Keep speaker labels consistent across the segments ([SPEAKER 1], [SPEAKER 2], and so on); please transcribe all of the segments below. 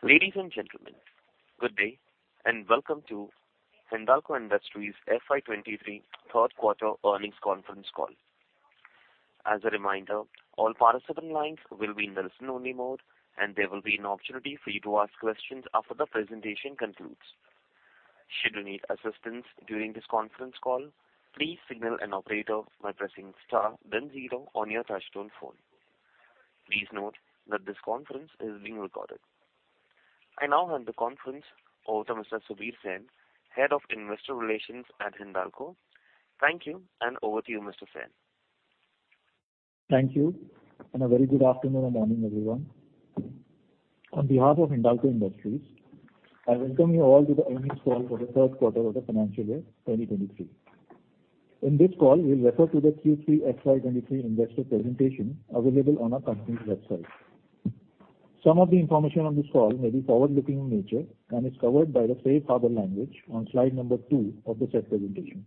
[SPEAKER 1] Ladies and gentlemen, good day and welcome to Hindalco Industries FY 2023 third quarter earnings conference call. As a reminder, all participant lines will be in listen-only mode, and there will be an opportunity for you to ask questions after the presentation concludes. Should you need assistance during this conference call, please signal an operator by pressing star then zero on your touchtone phone. Please note that this conference is being recorded. I now hand the conference over to Mr. Subir Sen, Head of Investor Relations at Hindalco. Thank you, and over to you, Mr. Sen.
[SPEAKER 2] Thank you. A very good afternoon or morning, everyone. On behalf of Hindalco Industries, I welcome you all to the earnings call for the third quarter of the financial year 2023. In this call, we'll refer to the Q3 FY 2023 investor presentation available on our company's website. Some of the information on this call may be forward-looking in nature and is covered by the safe harbor language on slide number two of the said presentation.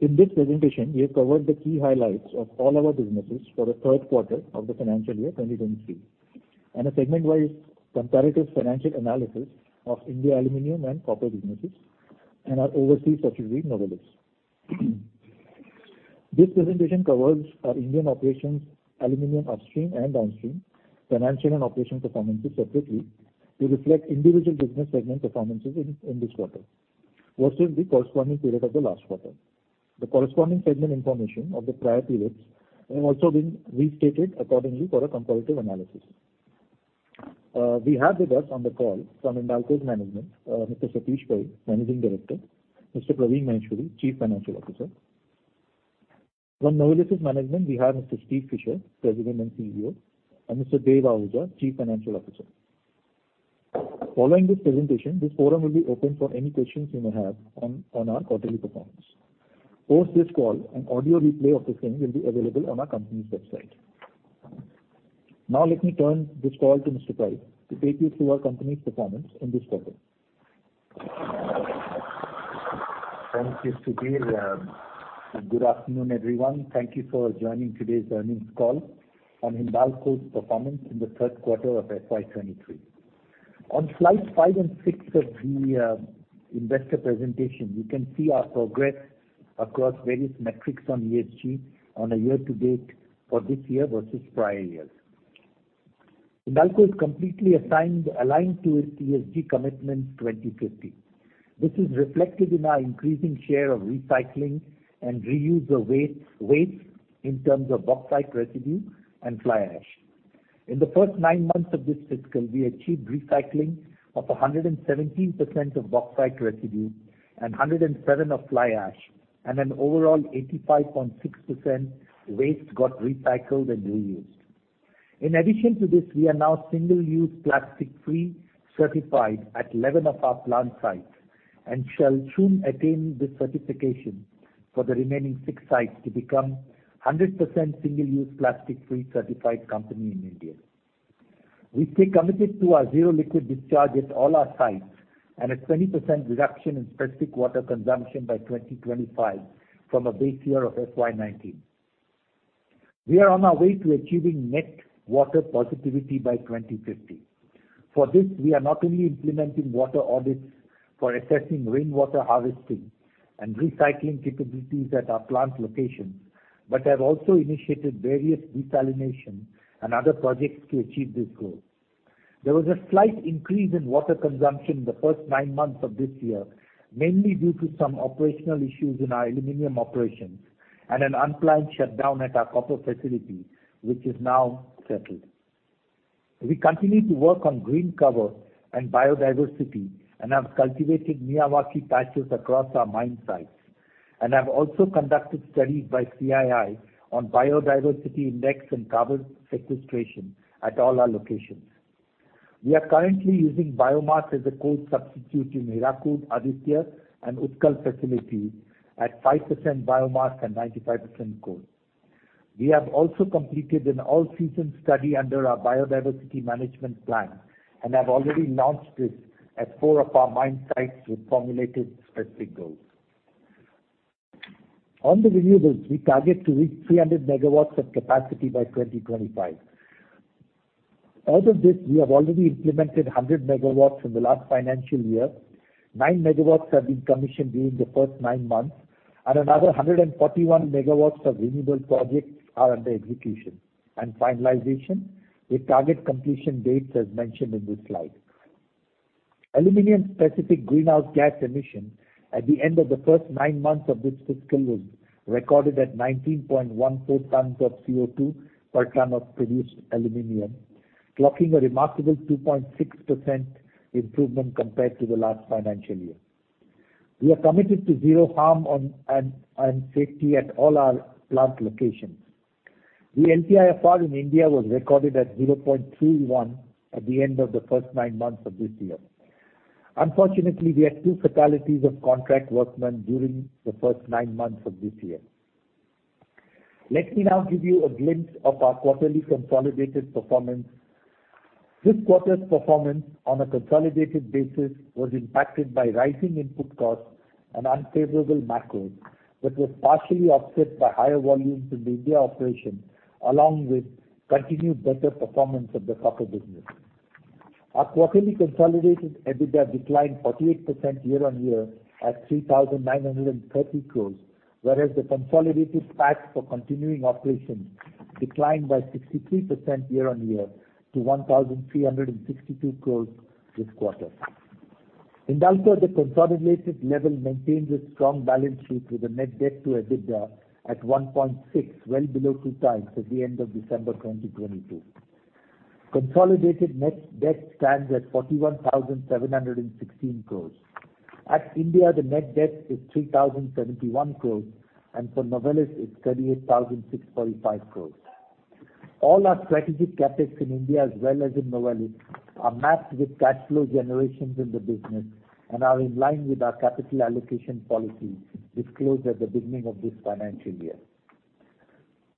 [SPEAKER 2] In this presentation, we have covered the key highlights of all our businesses for the third quarter of the financial year 2023, and a segment-wise comparative financial analysis of India Aluminum and Copper businesses and our overseas subsidiary, Novelis. This presentation covers our Indian operations, aluminum upstream and downstream, financial and operation performances separately to reflect individual business segment performances in this quarter versus the corresponding period of the last quarter. The corresponding segment information of the prior periods have also been restated accordingly for a comparative analysis. We have with us on the call from Hindalco's management, Mr. Satish Pai, Managing Director, Mr. Praveen Maheshwari, Chief Financial Officer. From Novelis' management, we have Mr. Steve Fisher, President and CEO, and Mr. Dev Ahuja, Chief Financial Officer. Following this presentation, this forum will be open for any questions you may have on our quarterly performance. Post this call, an audio replay of the same will be available on our company's website. Now let me turn this call to Mr. Pai to take you through our company's performance in this quarter.
[SPEAKER 3] Thanks, Mr. Sen. Good afternoon, everyone. Thank you for joining today's earnings call on Hindalco's performance in the third quarter of FY 2023. On slides five and six of the investor presentation, you can see our progress across various metrics on ESG on a year-to-date for this year versus prior years. Hindalco is completely aligned to its ESG commitment 2050. This is reflected in our increasing share of recycling and reuse of waste in terms of bauxite residue and fly ash. In the first nine months of this fiscal, we achieved recycling of 117% of bauxite residue and 107 of fly ash, and an overall 85.6% waste got recycled and reused. In addition to this, we are now single-use plastic free certified at 11 of our plant sites and shall soon attain this certification for the remaining six sites to become 100% single-use plastic free certified company in India. We stay committed to our zero liquid discharge at all our sites and a 20% reduction in specific water consumption by 2025 from a base year of FY19. We are on our way to achieving net water positivity by 2050. For this, we are not only implementing water audits for assessing rainwater harvesting and recycling capabilities at our plant locations but have also initiated various desalination and other projects to achieve this goal. There was a slight increase in water consumption in the first nine months of this year, mainly due to some operational issues in our aluminum operations and an unplanned shutdown at our copper facility, which is now settled. We continue to work on green cover and biodiversity and have cultivated Miyawaki patches across our mine sites and also conducted studies by CII on biodiversity index and carbon sequestration at all our locations. We are currently using biomass as a coal substitute in Hirakud, Aditya, and Utkal facilities at 5% biomass and 95% coal. We have also completed an all-season study under our biodiversity management plan and already launched this at four of our mine sites with formulated specific goals. On the renewables, we target to reach 300 MW of capacity by 2025. Out of this, we have already implemented 100 MW in the last financial year, 9 MW have been commissioned during the first nine months, and another 141 MW of renewable projects are under execution and finalization with target completion dates as mentioned in this slide. Aluminum specific greenhouse gas emission at the end of the first nine months of this fiscal was recorded at 19.14 tons of CO2 per ton of produced aluminum, clocking a remarkable 2.6% improvement compared to the last financial year. We are committed to zero harm on and safety at all our plant locations. The LTIFR in India was recorded at 0.31 at the end of the first nine months of this year. Unfortunately, we had two fatalities of contract workmen during the first nine months of this year. Let me now give you a glimpse of our quarterly consolidated performance. This quarter's performance on a consolidated basis was impacted by rising input costs and unfavorable macros, which was partially offset by higher volumes in the India operation, along with continued better performance of the copper business. Our quarterly consolidated EBITDA declined 48% YoY at 3,930 crores, whereas the consolidated tax for continuing operations declined by 63% YoY to 1,362 crores this quarter. Hindalco at the consolidated level maintains a strong balance sheet with a net debt to EBITDA at 1.6, well below two times at the end of December 2022. Consolidated net debt stands at 41,716 crores. At India, the net debt is 3,071 crores, and for Novelis it's 38,645 crores. All our strategic CapEx in India as well as in Novelis are matched with cash flow generations in the business and are in line with our capital allocation policy disclosed at the beginning of this financial year.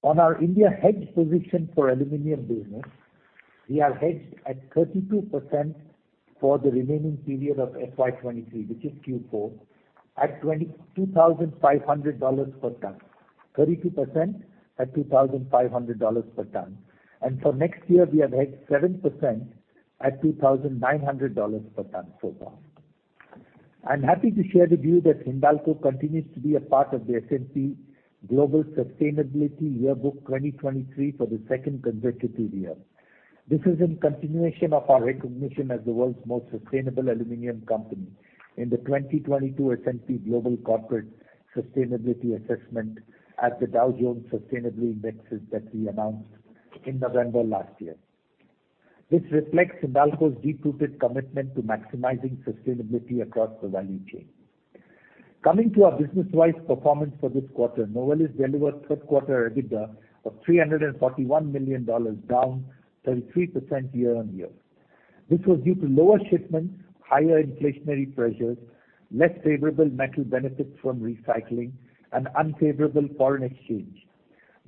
[SPEAKER 3] On our India hedge position for aluminum business, we are hedged at 32% for the remaining period of FY 2023, which is Q4, at $22,500 per ton. 32% at $2,500 per ton. For next year, we have hedged 7% at $2,900 per ton so far. I'm happy to share with you that Hindalco continues to be a part of the S&P Global Sustainability Yearbook 2023 for the second consecutive year. This is in continuation of our recognition as the world's most sustainable aluminum company in the 2022 S&P Global Corporate Sustainability Assessment at the Dow Jones Sustainability Indices that we announced in November last year. This reflects Hindalco's deep-rooted commitment to maximizing sustainability across the value chain. Coming to our business-wise performance for this quarter, Novelis delivered third quarter EBITDA of $341 million, down 33% YoY. This was due to lower shipments, higher inflationary pressures, less favorable metal benefits from recycling and unfavorable foreign exchange,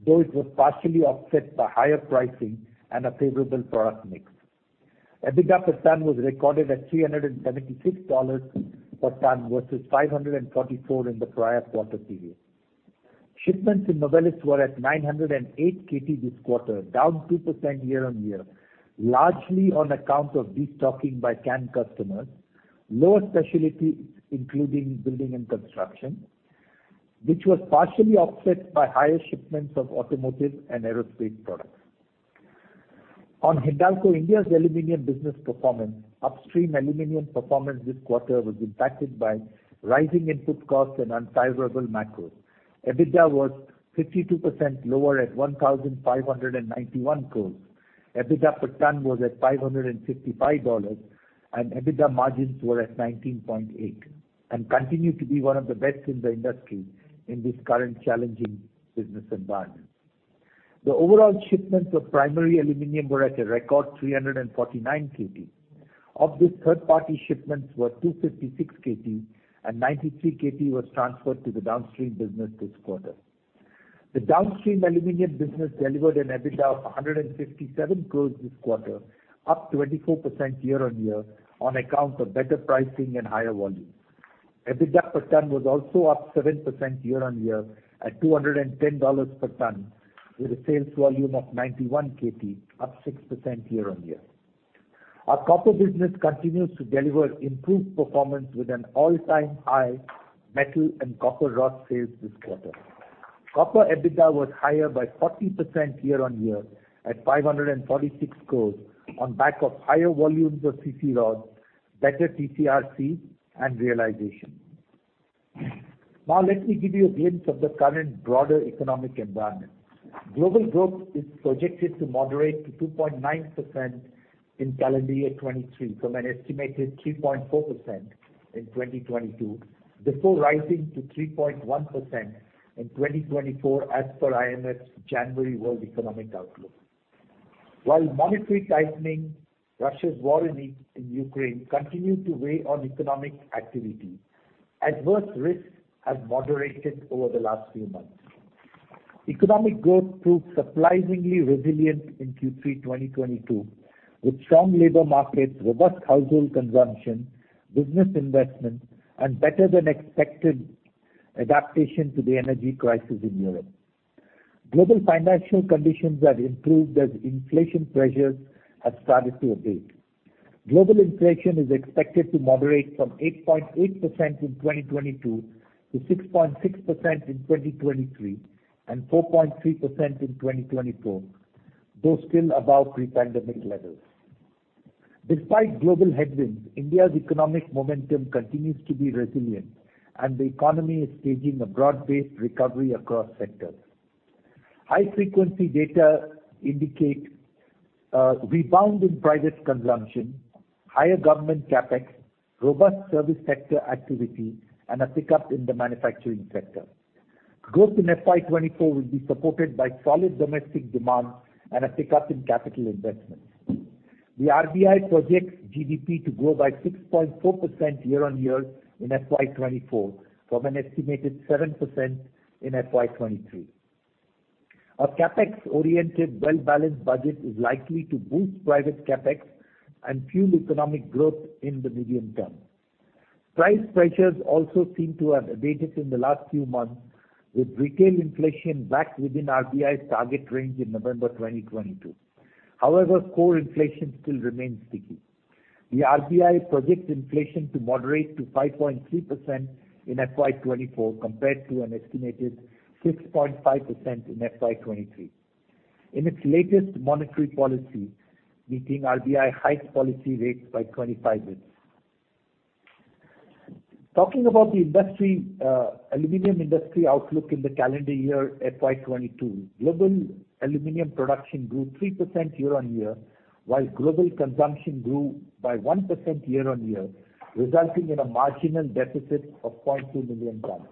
[SPEAKER 3] though it was partially offset by higher pricing and a favorable product mix. EBITDA per ton was recorded at $376 per ton versus $544 in the prior quarter period. Shipments in Novelis were at 908 KT this quarter, down 2% YoY, largely on account of destocking by can customers, lower specialty, including building and construction, which was partially offset by higher shipments of automotive and aerospace products. On Hindalco India's aluminum business performance, upstream aluminum performance this quarter was impacted by rising input costs and unfavorable macros. EBITDA was 52% lower at 1,591 crores. EBITDA per ton was at $555, and EBITDA margins were at 19.8% and continue to be one of the best in the industry in this current challenging business environment. The overall shipments of primary aluminum were at a record 349 KT. Of this, third-party shipments were 256 KT, and 93 KT was transferred to the downstream business this quarter. The downstream aluminum business delivered an EBITDA of 157 crore this quarter, up 24% YoY on account of better pricing and higher volumes. EBITDA per ton was also up 7% YoY at $210 per ton, with a sales volume of 91 KT, up 6% YoY. Our copper business continues to deliver improved performance with an all-time high metal and copper rod sales this quarter. Copper EBITDA was higher by 40% YoY at 546 crore on back of higher volumes of CC rod, better TCRC and realization. Let me give you a glimpse of the current broader economic environment. Global growth is projected to moderate to 2.9% in calendar year 2023 from an estimated 3.4% in 2022, before rising to 3.1% in 2024 as per IMF's January World Economic Outlook. While monetary tightening Russia's war in Ukraine continue to weigh on economic activity, adverse risks have moderated over the last few months. Economic growth proved surprisingly resilient in Q3 2022, with strong labor markets, robust household consumption, business investment, and better than expected adaptation to the energy crisis in Europe. Global financial conditions have improved as inflation pressures have started to abate. Global inflation is expected to moderate from 8.8% in 2022 to 6.6% in 2023, and 4.3% in 2024, though still above pre-pandemic levels. Despite global headwinds, India's economic momentum continues to be resilient and the economy is staging a broad-based recovery across sectors. High frequency data indicate rebound in private consumption, higher government CapEx, robust service sector activity, and a pickup in the manufacturing sector. Growth in FY 2024 will be supported by solid domestic demand and a pickup in capital investments. The RBI projects GDP to grow by 6.4% YoY in FY 2024 from an estimated 7% in FY 2023. A CapEx-oriented well-balanced budget is likely to boost private CapEx and fuel economic growth in the medium term. Price pressures also seem to have abated in the last few months, with retail inflation back within RBI's target range in November 2022. However, core inflation still remains sticky. The RBI projects inflation to moderate to 5.3% in FY 2024 compared to an estimated 6.5% in FY 2023. In its latest monetary policy meeting, RBI hikes policy rates by 25 basis points. Talking about the industry, aluminum industry outlook in the calendar year FY 2022, global aluminum production grew 3% YoY, while global consumption grew by 1% YoY, resulting in a marginal deficit of 0.2 million tons.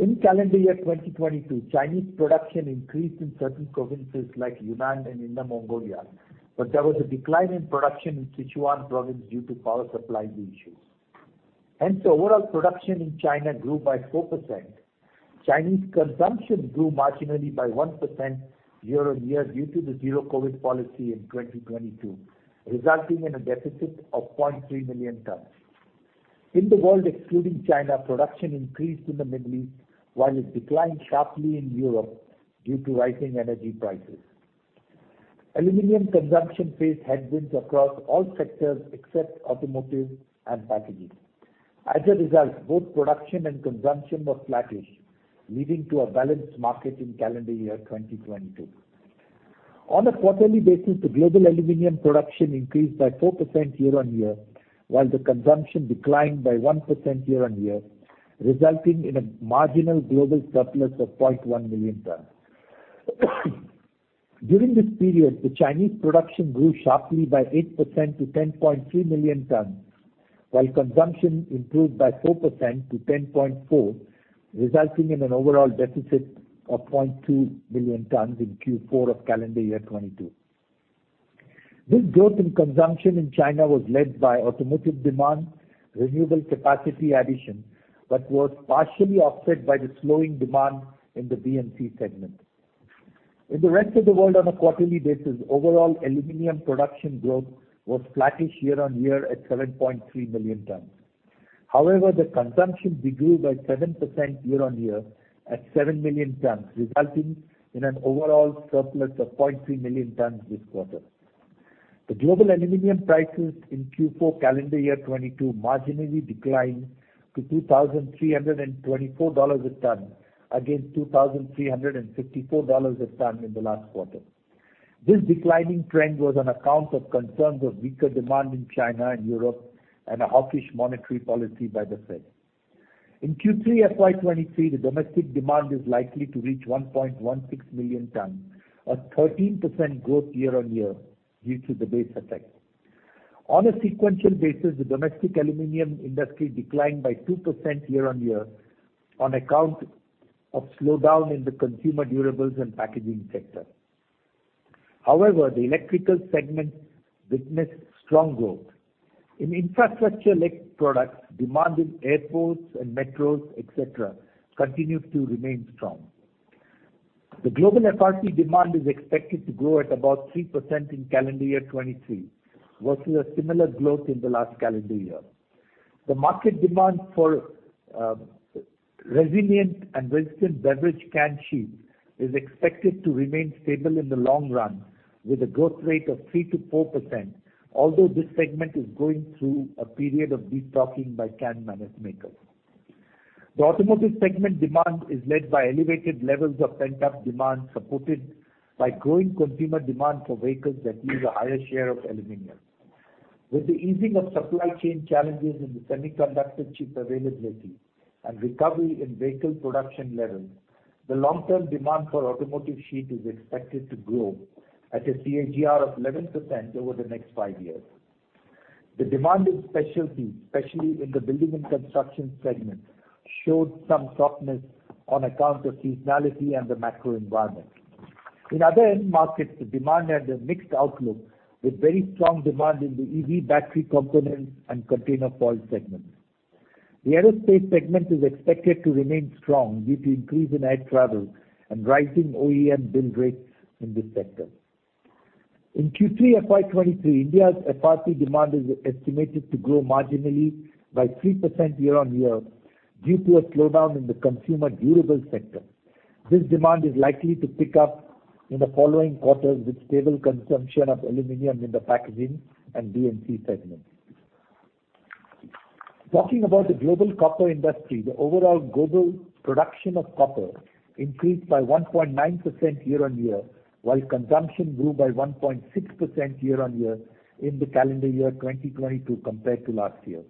[SPEAKER 3] In calendar year 2022, Chinese production increased in certain provinces like Yunnan and Inner Mongolia, there was a decline in production in Sichuan province due to power supply issues. The overall production in China grew by 4%. Chinese consumption grew marginally by 1% YoY due to the Zero-COVID policy in 2022, resulting in a deficit of 0.3 million tons. In the world excluding China, production increased in the Middle East, while it declined sharply in Europe due to rising energy prices. Aluminum consumption faced headwinds across all sectors except automotive and packaging. As a result, both production and consumption was flattish, leading to a balanced market in calendar year 2022. On a quarterly basis, the global aluminum production increased by 4% YoY, while the consumption declined by 1% YoY, resulting in a marginal global surplus of 0.1 million tons. During this period, the Chinese production grew sharply by 8% to 10.3 million tons, while consumption improved by 4% to 10.4, resulting in an overall deficit of 0.2 million tons in Q4 of calendar year 2022. This growth in consumption in China was led by automotive demand, renewable capacity addition, but was partially offset by the slowing demand in the D&C segment. In the rest of the world on a quarterly basis, overall aluminum production growth was flattish YoY at 7.3 million tons. The consumption grew by 7% YoY at seven million tons, resulting in an overall surplus of 0.3 million tons this quarter. The global aluminum prices in Q4 calendar year 2022 marginally declined to $2,324 a ton against $2,354 a ton in the last quarter. This declining trend was on account of concerns of weaker demand in China and Europe and a hawkish monetary policy by the Fed. In Q3 FY 2023, the domestic demand is likely to reach 1.16 million tons, a 13% growth YoY due to the base effect. On a sequential basis, the domestic aluminum industry declined by 2% YoY on account of slowdown in the consumer durables and packaging sector. However, the electrical segment witnessed strong growth. In infrastructure-led products, demand in airports and metros, et cetera, continued to remain strong. The global FRP demand is expected to grow at about 3% in calendar year 23 versus a similar growth in the last calendar year. The market demand for resilient and rigid beverage can sheet is expected to remain stable in the long run with a growth rate of 3%-4%, although this segment is going through a period of destocking by can manufacturers. The automotive segment demand is led by elevated levels of pent-up demand, supported by growing consumer demand for vehicles that use a higher share of aluminum. With the easing of supply chain challenges in the semiconductor chip availability and recovery in vehicle production levels, the long-term demand for automotive sheet is expected to grow at a CAGR of 11% over the next five years. The demand in specialty, especially in the building and construction segment, showed some softness on account of seasonality and the macro environment. In other end markets, the demand had a mixed outlook with very strong demand in the EV battery components and container foil segments. The aerospace segment is expected to remain strong due to increase in air travel and rising OEM build rates in this sector. In Q3 FY 2023, India's FRP demand is estimated to grow marginally by 3% YoY due to a slowdown in the consumer durables sector. This demand is likely to pick up in the following quarters with stable consumption of aluminum in the packaging and D&C segments. Talking about the global copper industry, the overall global production of copper increased by 1.9% YoY, while consumption grew by 1.6% YoY in the calendar year 2022 compared to last year.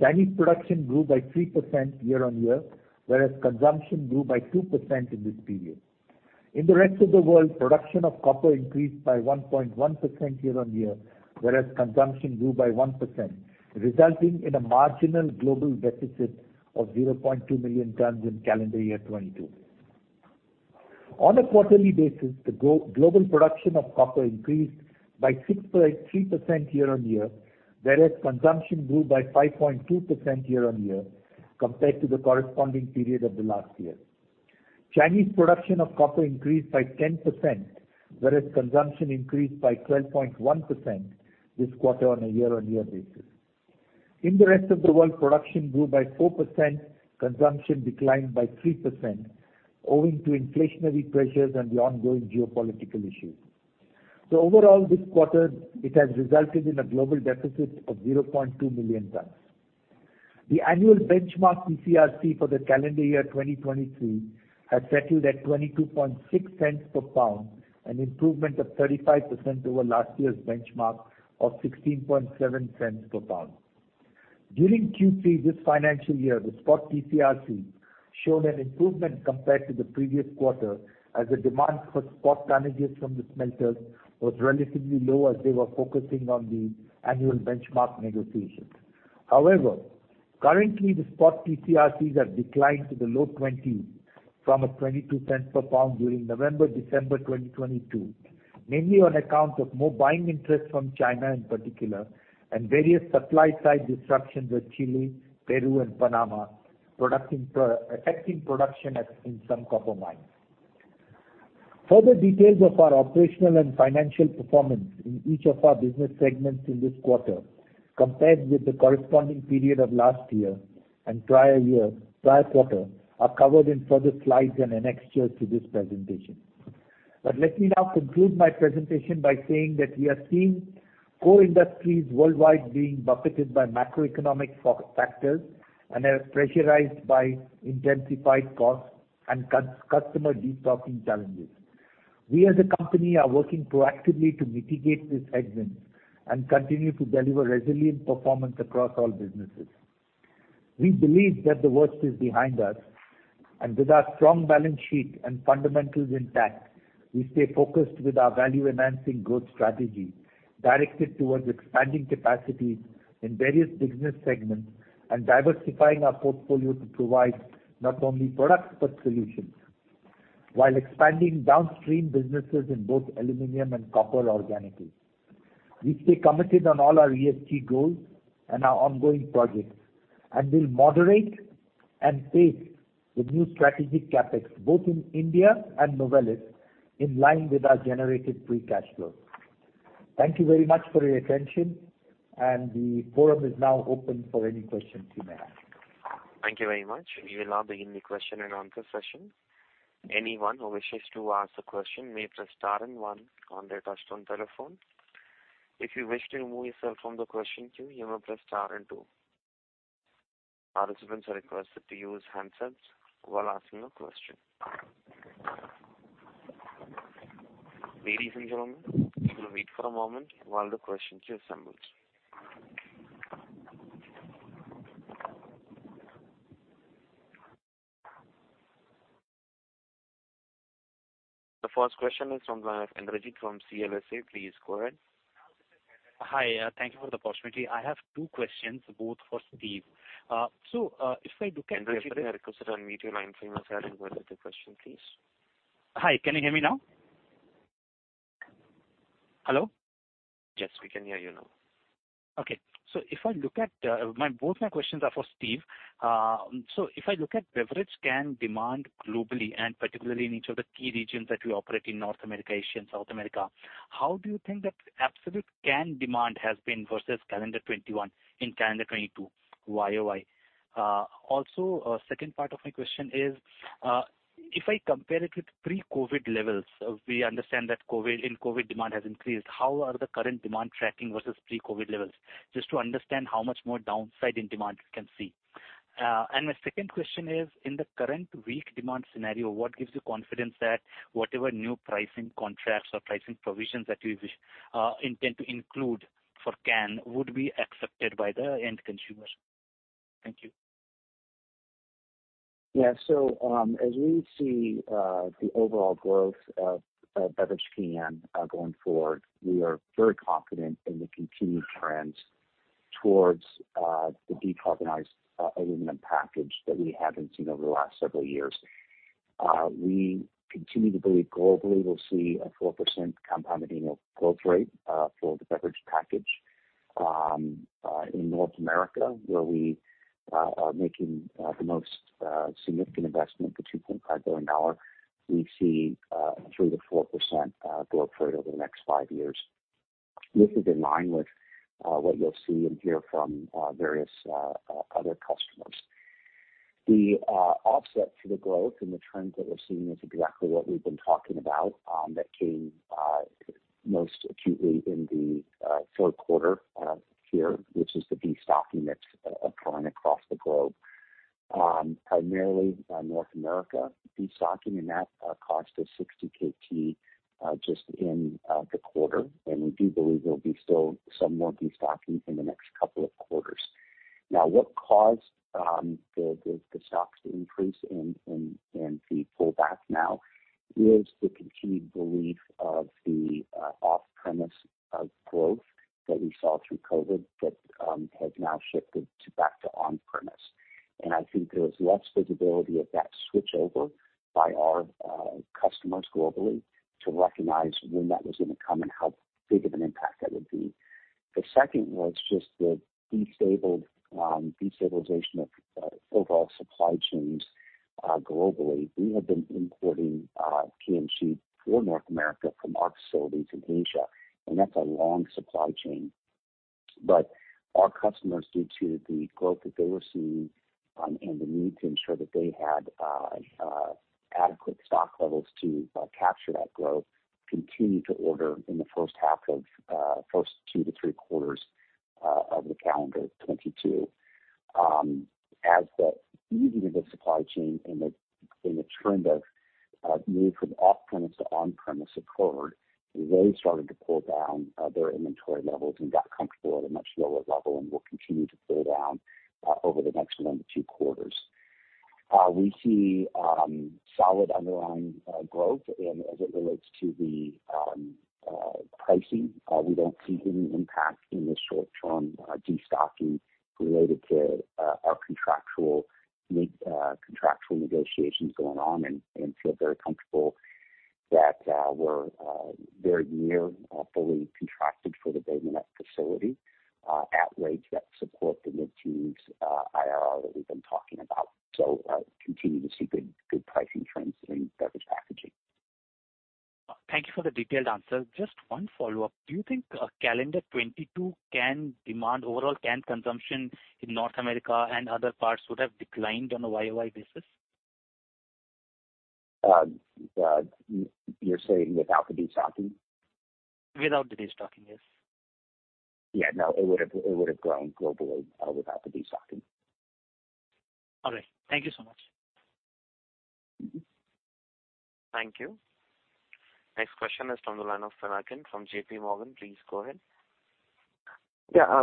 [SPEAKER 3] Chinese production grew by 3% YoY, whereas consumption grew by 2% in this period. In the rest of the world, production of copper increased by 1.1% YoY, whereas consumption grew by 1%, resulting in a marginal global deficit of 0.2 million tons in calendar year 22. On a quarterly basis, the go-global production of copper increased by 6.3% YoY, whereas consumption grew by 5.2% YoY compared to the corresponding period of the last year. Chinese production of copper increased by 10%, whereas consumption increased by 12.1% this quarter on a YoY basis. In the rest of the world, production grew by 4%, consumption declined by 3% owing to inflationary pressures and the ongoing geopolitical issues. Overall, this quarter it has resulted in a global deficit of 0.2 million tons. The annual benchmark TCRC for the calendar year 2023 has settled at $0.226 per pound, an improvement of 35% over last year's benchmark of $0.167 per pound. During Q3 this financial year, the spot TCRC showed an improvement compared to the previous quarter as the demand for spot tonnages from the smelters was relatively low as they were focusing on the annual benchmark negotiations. Currently the spot TCRCs have declined to the low twenties from a $0.22 per pound during November, December 2022, mainly on account of more buying interest from China in particular, and various supply side disruptions with Chile, Peru and Panama affecting production in some copper mines. Further details of our operational and financial performance in each of our business segments in this quarter, compared with the corresponding period of last year and prior year, prior quarter, are covered in further slides and annexures to this presentation. Let me now conclude my presentation by saying that we are seeing core industries worldwide being buffeted by macroeconomic factors and are pressurized by intensified costs and customer destocking challenges. We as a company are working proactively to mitigate these headwinds and continue to deliver resilient performance across all businesses. We believe that the worst is behind us, and with our strong balance sheet and fundamentals intact, we stay focused with our value-enhancing growth strategy directed towards expanding capacities in various business segments and diversifying our portfolio to provide not only products but solutions, while expanding downstream businesses in both aluminum and copper organically. We stay committed on all our ESG goals and our ongoing projects, and will moderate and pace the new strategic CapEx both in India and Novelis in line with our generated free cash flow. Thank you very much for your attention, and the forum is now open for any questions you may have.
[SPEAKER 1] Thank you very much. We will now begin the question and answer session. Anyone who wishes to ask a question may press star and one on their touchtone telephone. If you wish to remove yourself from the question queue, you may press star and two. Our participants are requested to use handsets while asking a question. Ladies and gentlemen, we will wait for a moment while the questions assemble. The first question is from Indrajit from CLSA. Please go ahead.
[SPEAKER 4] Hi, thank you for the opportunity. I have two questions both for Steve.
[SPEAKER 1] Indrajit, can I request you to unmute your line for yourself and go ahead with the question, please.
[SPEAKER 4] Hi, can you hear me now? Hello?
[SPEAKER 1] Yes, we can hear you now.
[SPEAKER 4] Okay. If I look at both my questions are for Steve. If I look at beverage can demand globally, and particularly in each of the key regions that you operate in North America, Asia and South America, how do you think that absolute can demand has been versus calendar 2021 in calendar 2022 YoY? Also, second part of my question is, if I compare it with pre-COVID levels, we understand that in COVID demand has increased. How are the current demand tracking versus pre-COVID levels? Just to understand how much more downside in demand we can see. My second question is, in the current weak demand scenario, what gives you confidence that whatever new pricing contracts or pricing provisions that you wish intend to include for can would be accepted by the end consumer? Thank you.
[SPEAKER 5] As we see the overall growth of beverage can going forward, we are very confident in the continued trends towards the decarbonized aluminum package that we haven't seen over the last several years. We continue to believe globally we'll see a 4% compounding annual growth rate for the beverage package. In North America, where we are making the most significant investment of $2.5 billion, we see 3%-4% growth rate over the next five years. This is in line with what you'll see and hear from various other customers. The offset to the growth and the trends that we're seeing is exactly what we've been talking about, that came most acutely in the third quarter here, which is the destocking that's occurring across the globe. Primarily, North America destocking, and that cost us 60 KT just in the quarter. We do believe there'll be still some more destocking in the next couple of quarters. What caused the stocks to increase and the pullback now is the continued belief of the off-premise growth that we saw through COVID that has now shifted to back to on-premise. I think there was less visibility of that switchover by our customers globally to recognize when that was gonna come and how big of an impact that would be. The second was just the disabled, destabilization of overall supply chains, globally. We have been importing can sheet for North America from our facilities in Asia, and that's a long supply chain. Our customers, due to the growth that they were seeing, and the need to ensure that they had adequate stock levels to capture that growth, continued to order in the first half of first two-three quarters of the calendar 2022. As the easing of the supply chain and the trend of move from off-premise to on-premise occurred, they started to pull down their inventory levels and got comfortable at a much lower level and will continue to pull down over the next one-two quarters. We see solid underlying growth. As it relates to the pricing, we don't see any impact in the short term, destocking related to our contractual negotiations going on and feel very comfortable that we're very near fully contracted for the Bay Minette facility at rates that support the mid-teens IRR that we've been talking about. We continue to see good pricing trends in beverage packaging.
[SPEAKER 4] Thank you for the detailed answer. Just one follow-up. Do you think, calendar 22 can demand overall can consumption in North America and other parts would have declined on a YoY basis?
[SPEAKER 5] The, you're saying without the destocking?
[SPEAKER 4] Without the destocking, yes.
[SPEAKER 5] Yeah. No, it would have grown globally, without the destocking.
[SPEAKER 4] All right. Thank you so much.
[SPEAKER 5] Mm-hmm.
[SPEAKER 1] Thank you. Next question is from the line of Pinakin from JPMorgan. Please go ahead.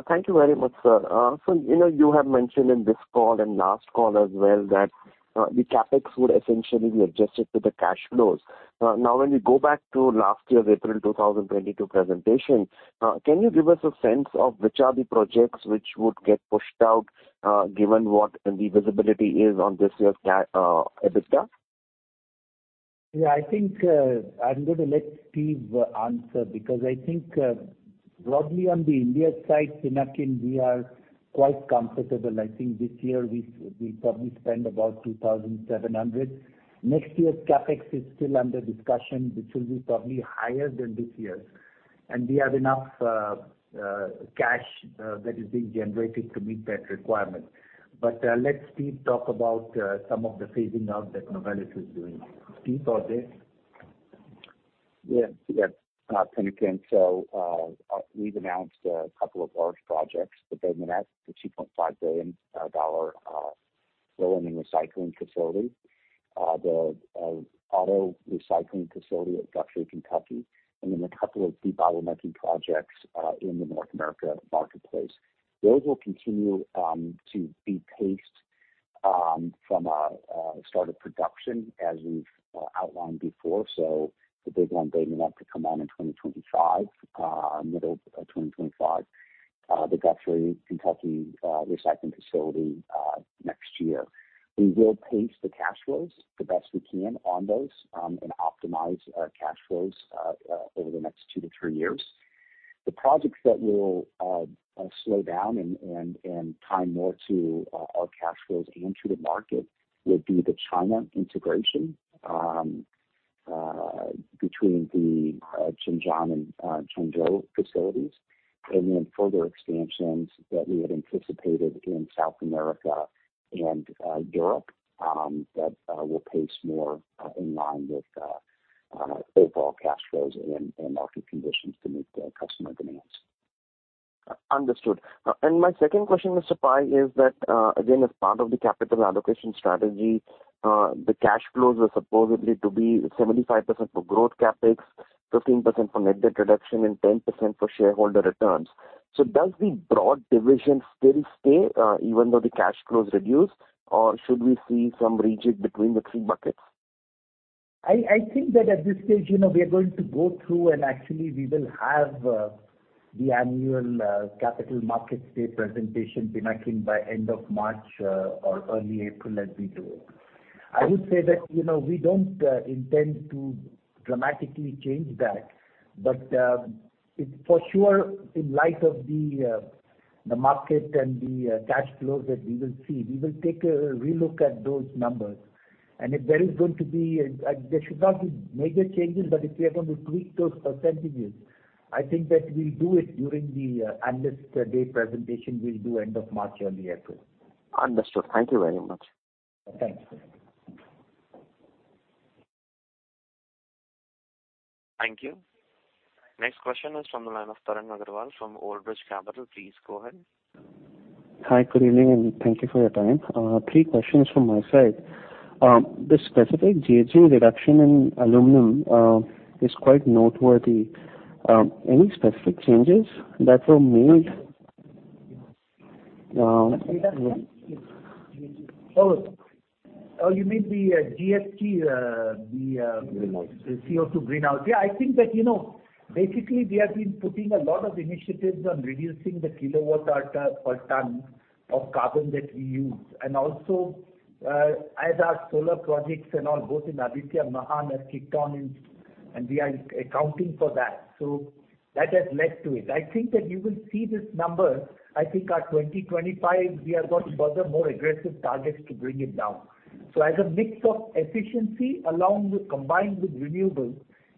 [SPEAKER 6] Thank you very much, sir. You know, you have mentioned in this call and last call as well that, the CapEx would essentially be adjusted to the cash flows. Now, when we go back to last year's April 2022 presentation, can you give us a sense of which are the projects which would get pushed out, given what the visibility is on this year's EBITDA?
[SPEAKER 3] Yeah, I think, I'm gonna let Steve answer, because I think, broadly on the India side, Pinakin, we are quite comfortable. I think this year we probably spend about 2,700. Next year's CapEx is still under discussion, which will be probably higher than this year's. We have enough cash that is being generated to meet that requirement. Let Steve talk about some of the phasing out that Novelis is doing. Steve, go ahead.
[SPEAKER 5] Yeah. Yeah, Pinakin, we've announced a couple of large projects, the Bay Minette, the $2.5 billion rolling and recycling facility, the auto recycling facility at Guthrie, Kentucky, and then a couple of deep bottlenecking projects in the North America marketplace. Those will continue to be paced from a start of production as we've outlined before. The big one, Bay Minette, to come on in 2025, middle of 2025. The Guthrie, Kentucky, recycling facility next year. We will pace the cash flows the best we can on those and optimize our cash flows over the next two to three years. The projects that will slow down and time more to our cash flows and to the market would be the China integration between the Zhenjiang and Changzhou facilities, and then further expansions that we had anticipated in South America and Europe that will pace more in line with overall cash flows and market conditions to meet the customer demands.
[SPEAKER 6] Understood. My second question, Mr. Pai, is that, again, as part of the capital allocation strategy, the cash flows are supposedly to be 75% for growth CapEx, 15% for net debt reduction, and 10% for shareholder returns. Does the broad division still stay, even though the cash flows reduce or should we see some rejig between the three buckets?
[SPEAKER 3] I think that at this stage, you know, we are going to go through and actually we will have the annual Capital Markets Day presentation, Pinakin, by end of March or early April as we do. I would say that, you know, we don't intend to dramatically change that, but it's for sure in light of the market and the cash flows that we will see. We will take a relook at those numbers, and if there is going to be, there should not be major changes, but if we are going to tweak those percentages, I think that we'll do it during the analyst day presentation we'll do end of March, early April.
[SPEAKER 6] Understood. Thank you very much.
[SPEAKER 3] Thanks.
[SPEAKER 1] Thank you. Next question is from the line of Tarang Agrawal from Old Bridge Capital. Please go ahead.
[SPEAKER 7] Hi, good evening, thank you for your time. Three questions from my side. The specific GHG reduction in aluminum is quite noteworthy. Any specific changes that were made?
[SPEAKER 3] Oh. Oh, you mean the GHG the.
[SPEAKER 7] Greenhouse.
[SPEAKER 3] The CO2 greenhouse. Yeah, I think that, you know, basically we have been putting a lot of initiatives on reducing the kilowatt hour per ton of carbon that we use. Also, as our solar projects and all, both in Aditya Birla have kicked on, and we are accounting for that. That has led to it. I think that you will see this number. I think our 2025, we have got rather more aggressive targets to bring it down. As a mix of efficiency combined with renewables,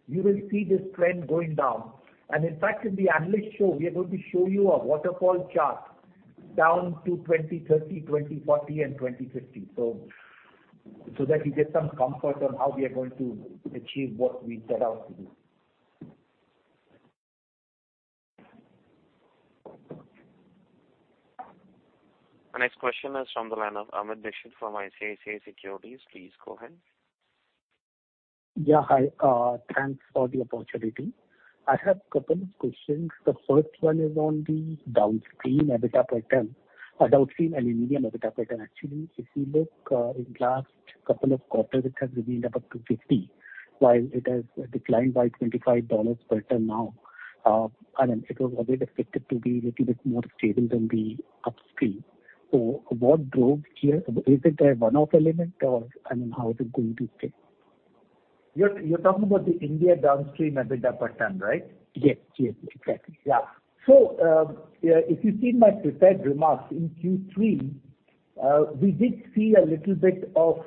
[SPEAKER 3] you will see this trend going down. In fact, in the analyst show, we are going to show you a waterfall chart down to 2030, 2040 and 2050. That you get some comfort on how we are going to achieve what we set out to do.
[SPEAKER 1] The next question is from the line of Amit Dixit from ICICI Securities. Please go ahead.
[SPEAKER 8] Yeah. Hi, thanks for the opportunity. I have two questions. The first one is on the downstream aluminum EBITDA per ton. Actually, if you look, in last two quarters, it has remained above $250, while it has declined by $25 per ton now. It was a bit expected to be little bit more stable than the upstream. What drove here? Is it a one-off element or, I mean, how is it going to stay?
[SPEAKER 3] You're talking about the India downstream EBITDA per ton, right?
[SPEAKER 8] Yes. Yes. Exactly.
[SPEAKER 3] If you see my prepared remarks in Q3, we did see a little bit of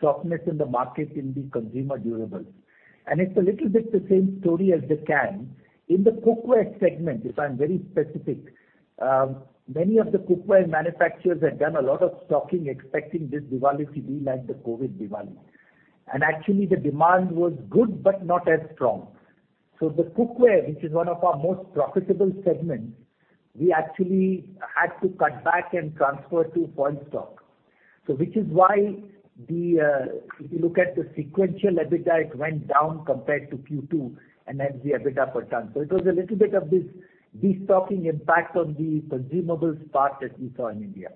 [SPEAKER 3] softness in the market in the consumer durables. It's a little bit the same story as the can. In the cookware segment, if I'm very specific, many of the cookware manufacturers had done a lot of stocking expecting this Diwali to be like the COVID Diwali. Actually the demand was good but not as strong. The cookware, which is one of our most profitable segments, we actually had to cut back and transfer to point stock. Which is why, if you look at the sequential EBITDA, it went down compared to Q2 and then the EBITDA per ton. It was a little bit of this destocking impact on the consumables part that we saw in India.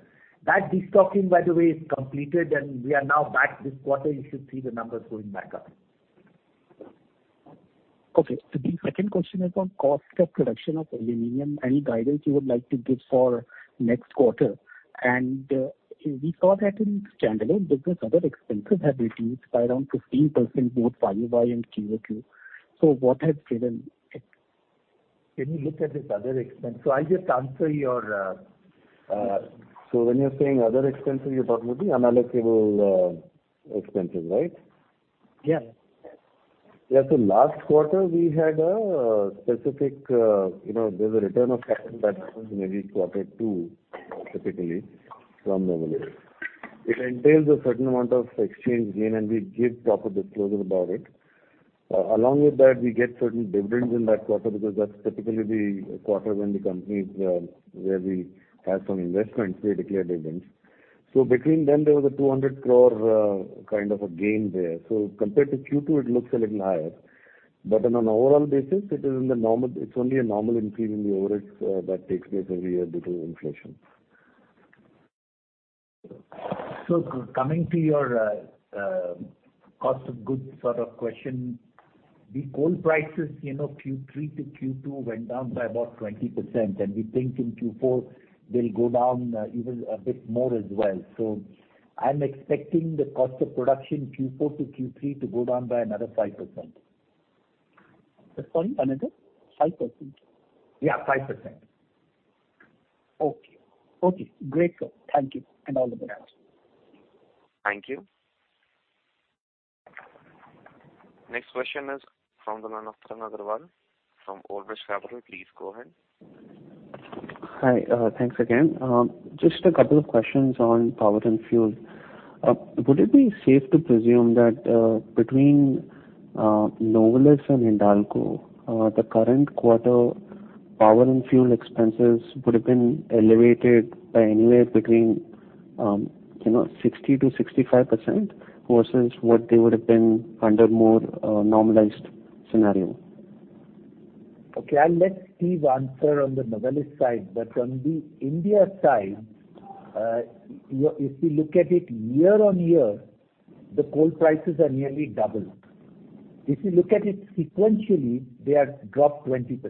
[SPEAKER 3] That destocking, by the way, is completed and we are now back this quarter. You should see the numbers going back up.
[SPEAKER 8] Okay. The second question is on cost of production of aluminum. Any guidance you would like to give for next quarter? We saw that in standalone business, other expenses have reduced by around 15% both YoY and Q2. What has driven it? Can you look at this other expense?
[SPEAKER 9] I'll just answer your. So when you're saying other expenses, you're talking about the unallocable expenses, right?
[SPEAKER 8] Yeah.
[SPEAKER 9] Yeah. Last quarter we had a specific, you know, there's a return of capital that comes in every quarter too, typically from Novelis. It entails a certain amount of exchange gain, and we give proper disclosure about it. Along with that, we get certain dividends in that quarter because that's typically the quarter when the companies, where we have some investments, they declare dividends. Between them, there was a 200 crore kind of a gain there. Compared to Q2, it looks a little higher. On an overall basis, it's only a normal increase in the overheads that takes place every year due to inflation.
[SPEAKER 3] Coming to your cost of goods sort of question. The coal prices, you know, Q3 to Q2 went down by about 20%. We think in Q4 they'll go down even a bit more as well. I'm expecting the cost of production Q4-Q3 to go down by another 5%.
[SPEAKER 8] Sorry, another 5%?
[SPEAKER 3] Yeah, 5%.
[SPEAKER 8] Okay. Okay, great. Thank you. All the best.
[SPEAKER 1] Thank you. Next question is from the line of Tarang Agrawal from Old Bridge Capital. Please go ahead.
[SPEAKER 7] Hi. thanks again. just a couple of questions on power and fuel. would it be safe to presume that, between Novelis and Hindalco, the current quarter power and fuel expenses would have been elevated by anywhere between, you know, 60%-65% versus what they would have been under more, normalized scenario?
[SPEAKER 3] Okay, I'll let Steve answer on the Novelis side. If you look at it YoY, the coal prices are nearly double. If you look at it sequentially, they have dropped 20%.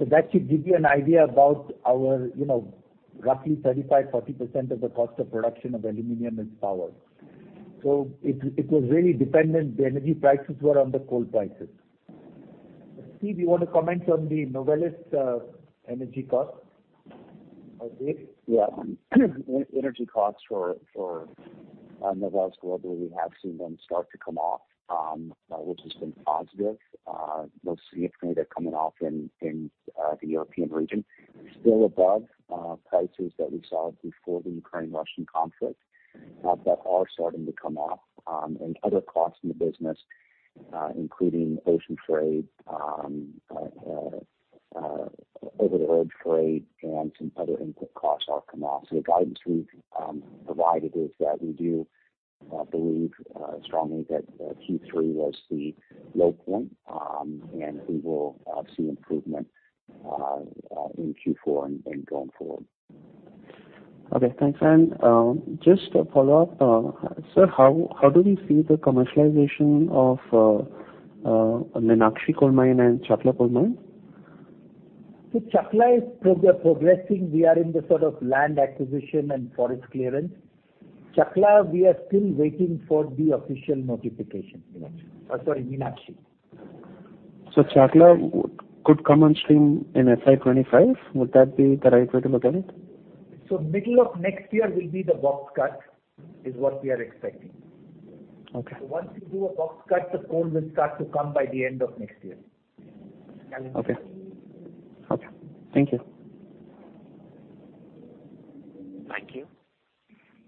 [SPEAKER 3] That should give you an idea about our, you know, roughly 35%-40% of the cost of production of aluminum is power. It was really dependent. The energy prices were on the coal prices. Steve, you want to comment on the Novelis energy cost?
[SPEAKER 5] Energy costs for Novelis globally, we have seen them start to come off, which has been positive. Most significantly, they're coming off in the European region. Still above prices that we saw before the Ukraine-Russian conflict, but are starting to come off. And other costs in the business, including ocean trade, over-the-road trade and some other input costs are come off. The guidance we've provided is that we do believe strongly that Q3 was the low point, and we will see improvement in Q4 and going forward.
[SPEAKER 7] Okay. Thanks. Just a follow-up. Sir, how do we see the commercialization of the Meenakshi coal mine and Chakla coal mine?
[SPEAKER 3] Chakla is progressing. We are in the sort of land acquisition and forest clearance. Chakla, we are still waiting for the official notification. Oh, sorry, Meenakshi.
[SPEAKER 7] Chakla could come on stream in FY 2025. Would that be the right way to look at it?
[SPEAKER 3] Middle of next year will be the box cut, is what we are expecting.
[SPEAKER 7] Okay.
[SPEAKER 3] Once we do a box cut, the coal will start to come by the end of next year. Calendar year.
[SPEAKER 7] Okay. Okay. Thank you.
[SPEAKER 1] Thank you.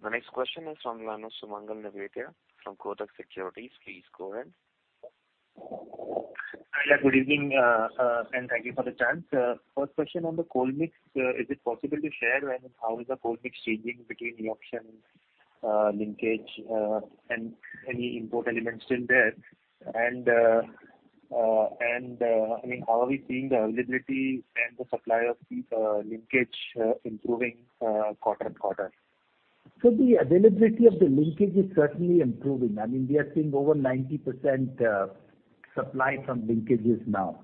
[SPEAKER 1] The next question is from Lanu Sumangal Nevatia from Kotak Securities. Please go ahead.
[SPEAKER 10] Hi. Good evening. Thank you for the chance. First question on the coal mix. Is it possible to share when and how is the coal mix changing between the auction, linkage, and any import elements still there? I mean, how are we seeing the availability and the supply of the linkage improving quarter-on-quarter?
[SPEAKER 3] The availability of the linkage is certainly improving. I mean, we are seeing over 90% supply from linkages now.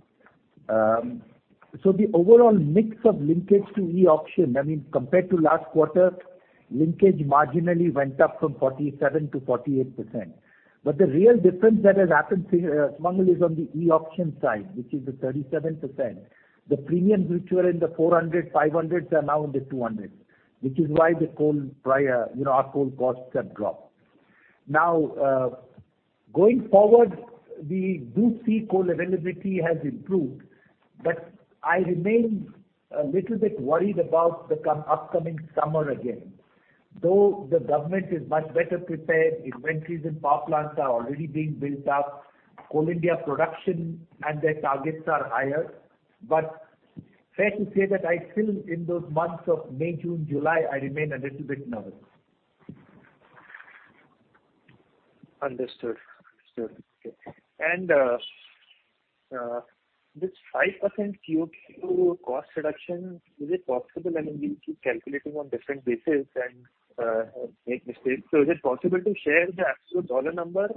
[SPEAKER 3] The overall mix of linkage to e-auction, I mean, compared to last quarter, linkage marginally went up from 47%-48%. The real difference that has happened, Sumangal, is on the e-auction side, which is the 37%. The premiums which were in the 400, 500 are now in the 200, which is why the coal prior, you know, our coal costs have dropped. Now, going forward, we do see coal availability has improved, but I remain a little bit worried about the upcoming summer again. Though the government is much better prepared, inventories and power plants are already being built up. Coal India production and their targets are higher. Fair to say that I still, in those months of May, June, July, I remain a little bit nervous.
[SPEAKER 10] Understood. Understood. This 5% QOQ cost reduction, is it possible, I mean, we keep calculating on different basis and make mistakes. Is it possible to share the absolute dollar number?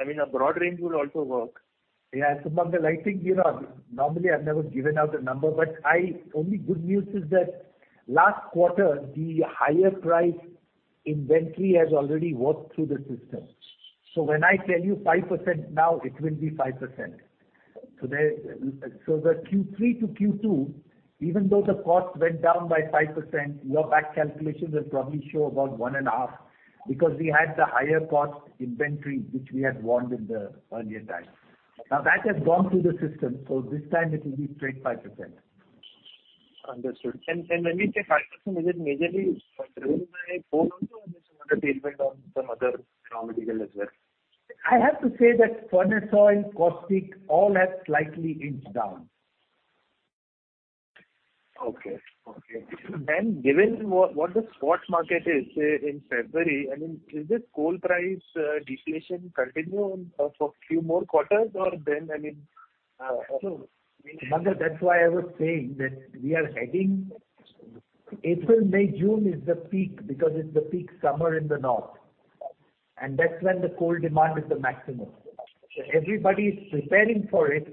[SPEAKER 10] I mean, a broad range would also work.
[SPEAKER 3] Yeah. Sumangal, I think, you know, normally I've never given out a number, but only good news is that last quarter, the higher price inventory has already worked through the system. When I tell you 5% now, it will be 5%. The Q3-Q2, even though the cost went down by 5%, your back calculations will probably show about one and a half, because we had the higher cost inventory, which we had warned in the earlier times. Now, that has gone through the system, this time it will be straight 5%.
[SPEAKER 10] Understood. When you say 5%, is it majorly driven by coal only or there's some other treatment or some other raw material as well?
[SPEAKER 3] I have to say that furnace oil, caustic, all have slightly inched down.
[SPEAKER 10] Okay. Okay. Given what the spot market is, say, in February, I mean, will this coal price deflation continue on for few more quarters or then?
[SPEAKER 3] Sumangal, that's why I was saying that we are heading April, May, June is the peak because it's the peak summer in the north, and that's when the coal demand is the maximum. Everybody is preparing for it,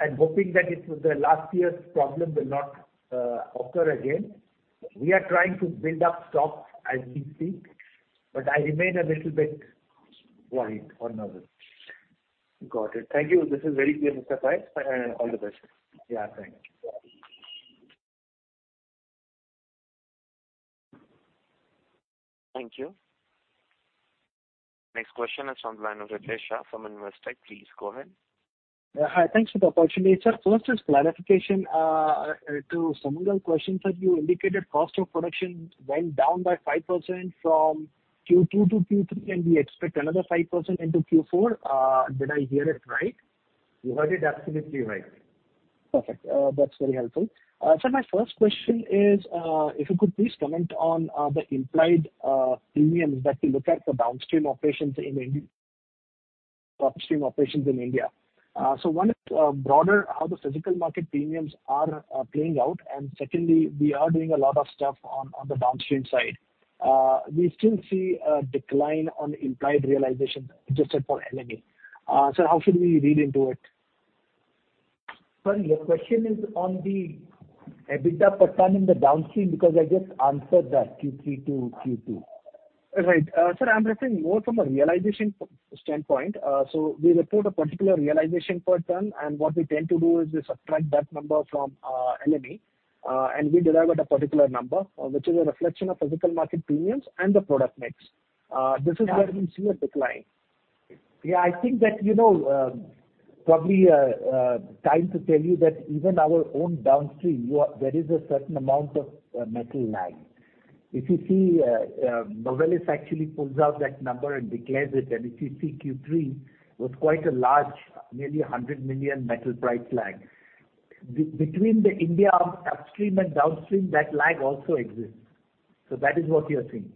[SPEAKER 3] and hoping that it's the last year's problem will not occur again. We are trying to build up stocks as we speak, I remain a little bit worried or nervous.
[SPEAKER 10] Got it. Thank you. This is very clear, Mr. Pai. All the best.
[SPEAKER 3] Yeah, thank you.
[SPEAKER 1] Thank you. Next question is from Lanu Ritesh Shah from Investec. Please go ahead.
[SPEAKER 11] Yeah. Hi. Thanks for the opportunity, sir. First is clarification to Sumangal question. You indicated cost of production went down by 5% from Q2-Q3, and we expect another 5% into Q4. Did I hear it right?
[SPEAKER 3] You heard it absolutely right.
[SPEAKER 11] Perfect. That's very helpful. Sir, my first question is, if you could please comment on the implied premiums that we look at for downstream operations in upstream operations in India. One is, broader, how the physical market premiums are playing out. Secondly, we are doing a lot of stuff on the downstream side. We still see a decline on implied realization adjusted for LME. How should we read into it?
[SPEAKER 3] Sorry, your question is on the EBITDA per ton in the downstream, because I just answered that Q3-Q2.
[SPEAKER 11] Right. sir, I'm referring more from a realization standpoint. We report a particular realization per ton, and what we tend to do is we subtract that number from LME, and we derive at a particular number, which is a reflection of physical market premiums and the product mix. This is where we see a decline.
[SPEAKER 3] Yeah, I think that, you know, probably, time to tell you that even our own downstream, there is a certain amount of metal lag. If you see, Novelis actually pulls out that number and declares it. If you see Q3, was quite a large, nearly $100 million metal price lag. Between the India upstream and downstream, that lag also exists. That is what you're seeing.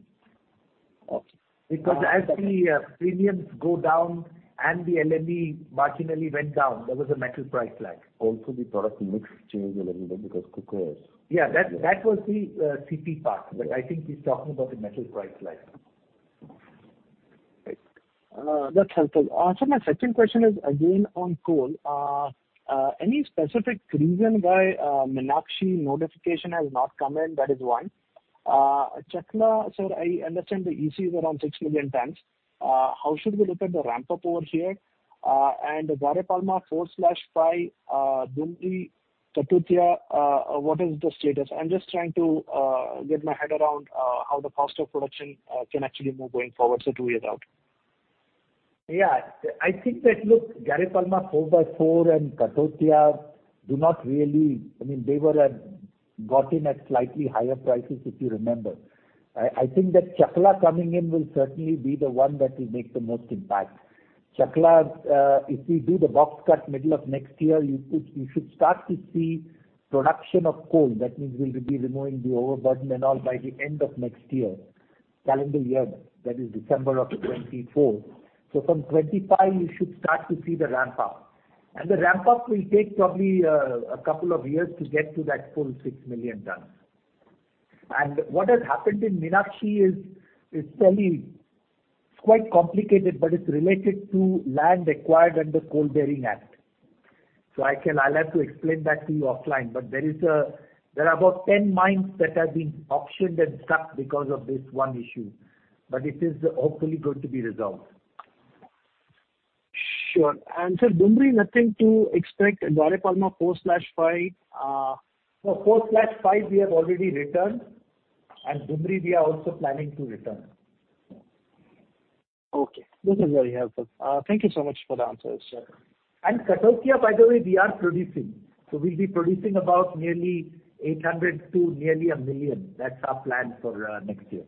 [SPEAKER 11] Okay.
[SPEAKER 3] Because as the premiums go down and the LME marginally went down, there was a metal price lag.
[SPEAKER 5] The product mix changed a little bit because coker is.
[SPEAKER 3] Yeah, that was the CP part. I think he's talking about the metal price lag.
[SPEAKER 11] Right. That's helpful. My second question is again on coal. Any specific reason why Meenakshi notification has not come in? That is one. Chakla, sir, I understand the EC is around six million tonnes. How should we look at the ramp-up over here? Gare Palma IV/5, Dumri, Kathautia, what is the status? I'm just trying to get my head around how the cost of production can actually move going forward so two years out.
[SPEAKER 3] Yeah. I think that, look, Gare Palma IV/4 and Kathautia do not really... I mean, they were, got in at slightly higher prices, if you remember. I think that Chakla coming in will certainly be the one that will make the most impact. Chakla's, if we do the box cut middle of next year, you should start to see production of coal. That means we'll be removing the overburden and all by the end of next year, calendar year, that is December of 2024. From 2025 you should start to see the ramp-up. The ramp-up will take probably, a couple of years to get to that full six million tons. What has happened in Meenakshi is fairly, it's quite complicated, but it's related to land acquired under Coal Bearing Act. I'll have to explain that to you offline. There are about 10 mines that have been auctioned and stuck because of this one issue. It is hopefully going to be resolved.
[SPEAKER 11] Sure. Sir, Dumri nothing to expect. Gare Palma IV/5.
[SPEAKER 3] No, Gare Palma IV/5 we have already returned, and Dumri we are also planning to return.
[SPEAKER 11] Okay. This is very helpful. Thank you so much for the answers, sir.
[SPEAKER 3] Kathautia, by the way, we are producing. We'll be producing about nearly 800 to nearly one million. That's our plan for next year.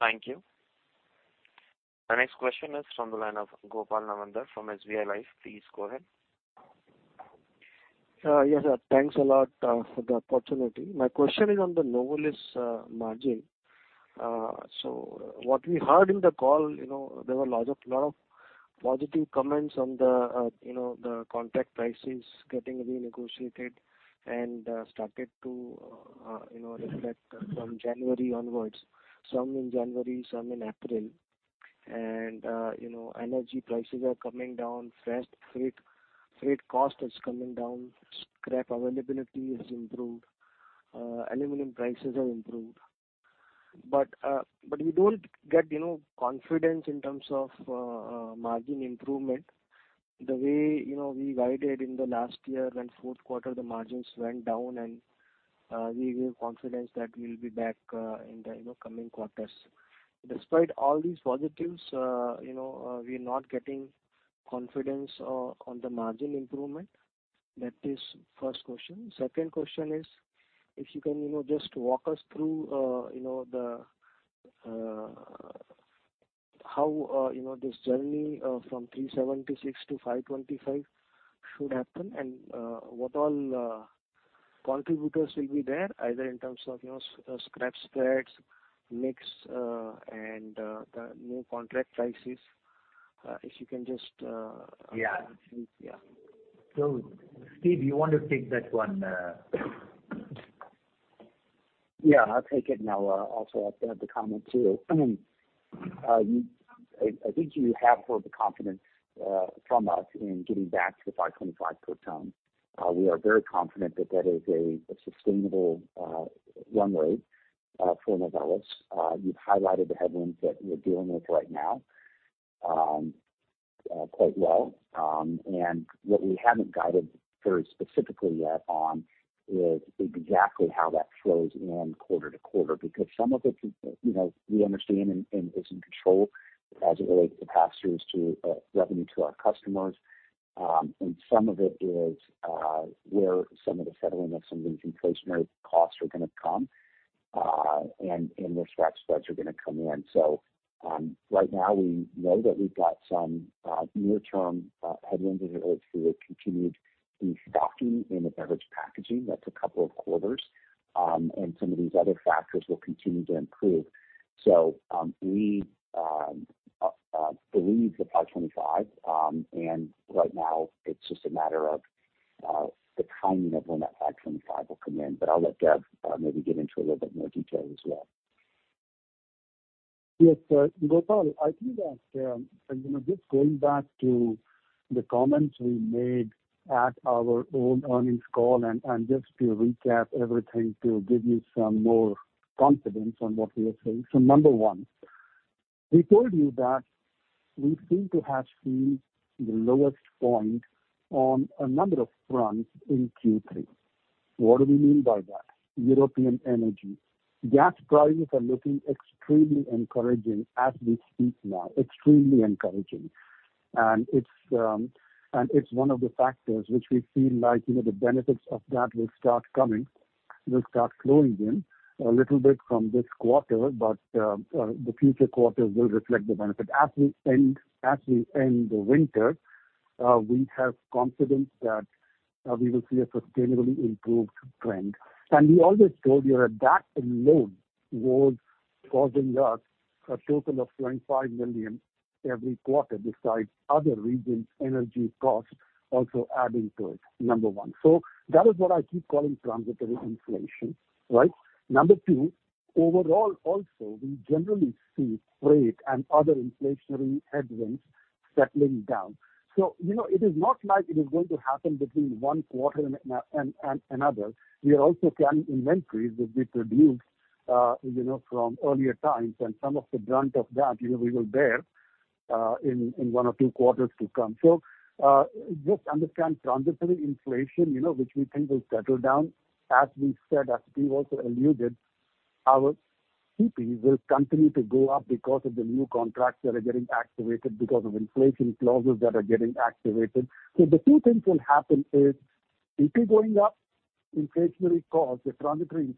[SPEAKER 1] Thank you. Our next question is from the line of Gopal Nawandhar from SBI Life. Please go ahead.
[SPEAKER 12] Yes, sir. Thanks a lot for the opportunity. My question is on the Novelis margin. So what we heard in the call, you know, there were lots of, lot of positive comments on the, you know, the contract prices getting renegotiated and started to, you know, reflect from January onwards, some in January, some in April. And, you know, energy prices are coming down. Freight, freight cost is coming down. Scrap availability has improved. Aluminum prices have improved. But we don't get, you know, confidence in terms of margin improvement the way, you know, we guided in the last year when fourth quarter the margins went down and we gave confidence that we'll be back in the, you know, coming quarters. `` Despite all these positives, you know, we're not getting confidence on the margin improvement. That is first question. Second question is if you can, you know, just walk us through, you know, the, how, you know, this journey, from 376 to 525 should happen and, what all, contributors will be there, either in terms of, you know, scrap spreads, mix, and, the new contract prices. If you can just
[SPEAKER 3] Yeah.
[SPEAKER 12] Yeah.
[SPEAKER 3] Steve, you want to take that one?
[SPEAKER 5] Yeah, I'll take it. I'll also add the comment too. I think you have heard the confidence from us in getting back to the 525 per ton. We are very confident that that is a sustainable runway for Novelis. You've highlighted the headwinds that we're dealing with right now, quite well. What we haven't guided very specifically yet on is exactly how that flows in quarter to quarter, because some of it, you know, we understand and is in control as it relates to pass-throughs to revenue to our customers. Some of it is where some of the settling of some of these inflationary costs are gonna come and where scrap spreads are gonna come in. Right now we know that we've got some near-term headwinds related to a continued destocking in the beverage packaging. That's a couple of quarters. Some of these other factors will continue to improve. We believe the 525, right now it's just a matter of the timing of when that 525 will come in. I'll let Dev maybe get into a little bit more detail as well.
[SPEAKER 9] Yes, Gopal, I think that, you know, just going back to the comments we made at our own earnings call, just to recap everything to give you some more confidence on what we are saying. Number 1, we told you that we seem to have seen the lowest point on a number of fronts in Q3. What do we mean by that? European energy. Gas prices are looking extremely encouraging as we speak now, extremely encouraging. It's one of the factors which we feel like, you know, the benefits of that will start coming, will start flowing in a little bit from this quarter, the future quarters will reflect the benefit. As we end the winter, we have confidence that we will see a sustainably improved trend. We always told you that load was causing us a total of $25 million every quarter besides other regions energy costs also adding to it, number one. That is what I keep calling transitory inflation, right? Number two, overall also, we generally see freight and other inflationary headwinds settling down. You know, it is not like it is going to happen between one quarter and another. We are also carrying inventories that we produced, you know, from earlier times, and some of the brunt of that, you know, we will bear in one or two quarters to come. Just understand transitory inflation, you know, which we think will settle down. As we said, as Steve also alluded, our CP will continue to go up because of the new contracts that are getting activated because of inflation clauses that are getting activated. The two things will happen is CP going up, inflationary costs, the transitory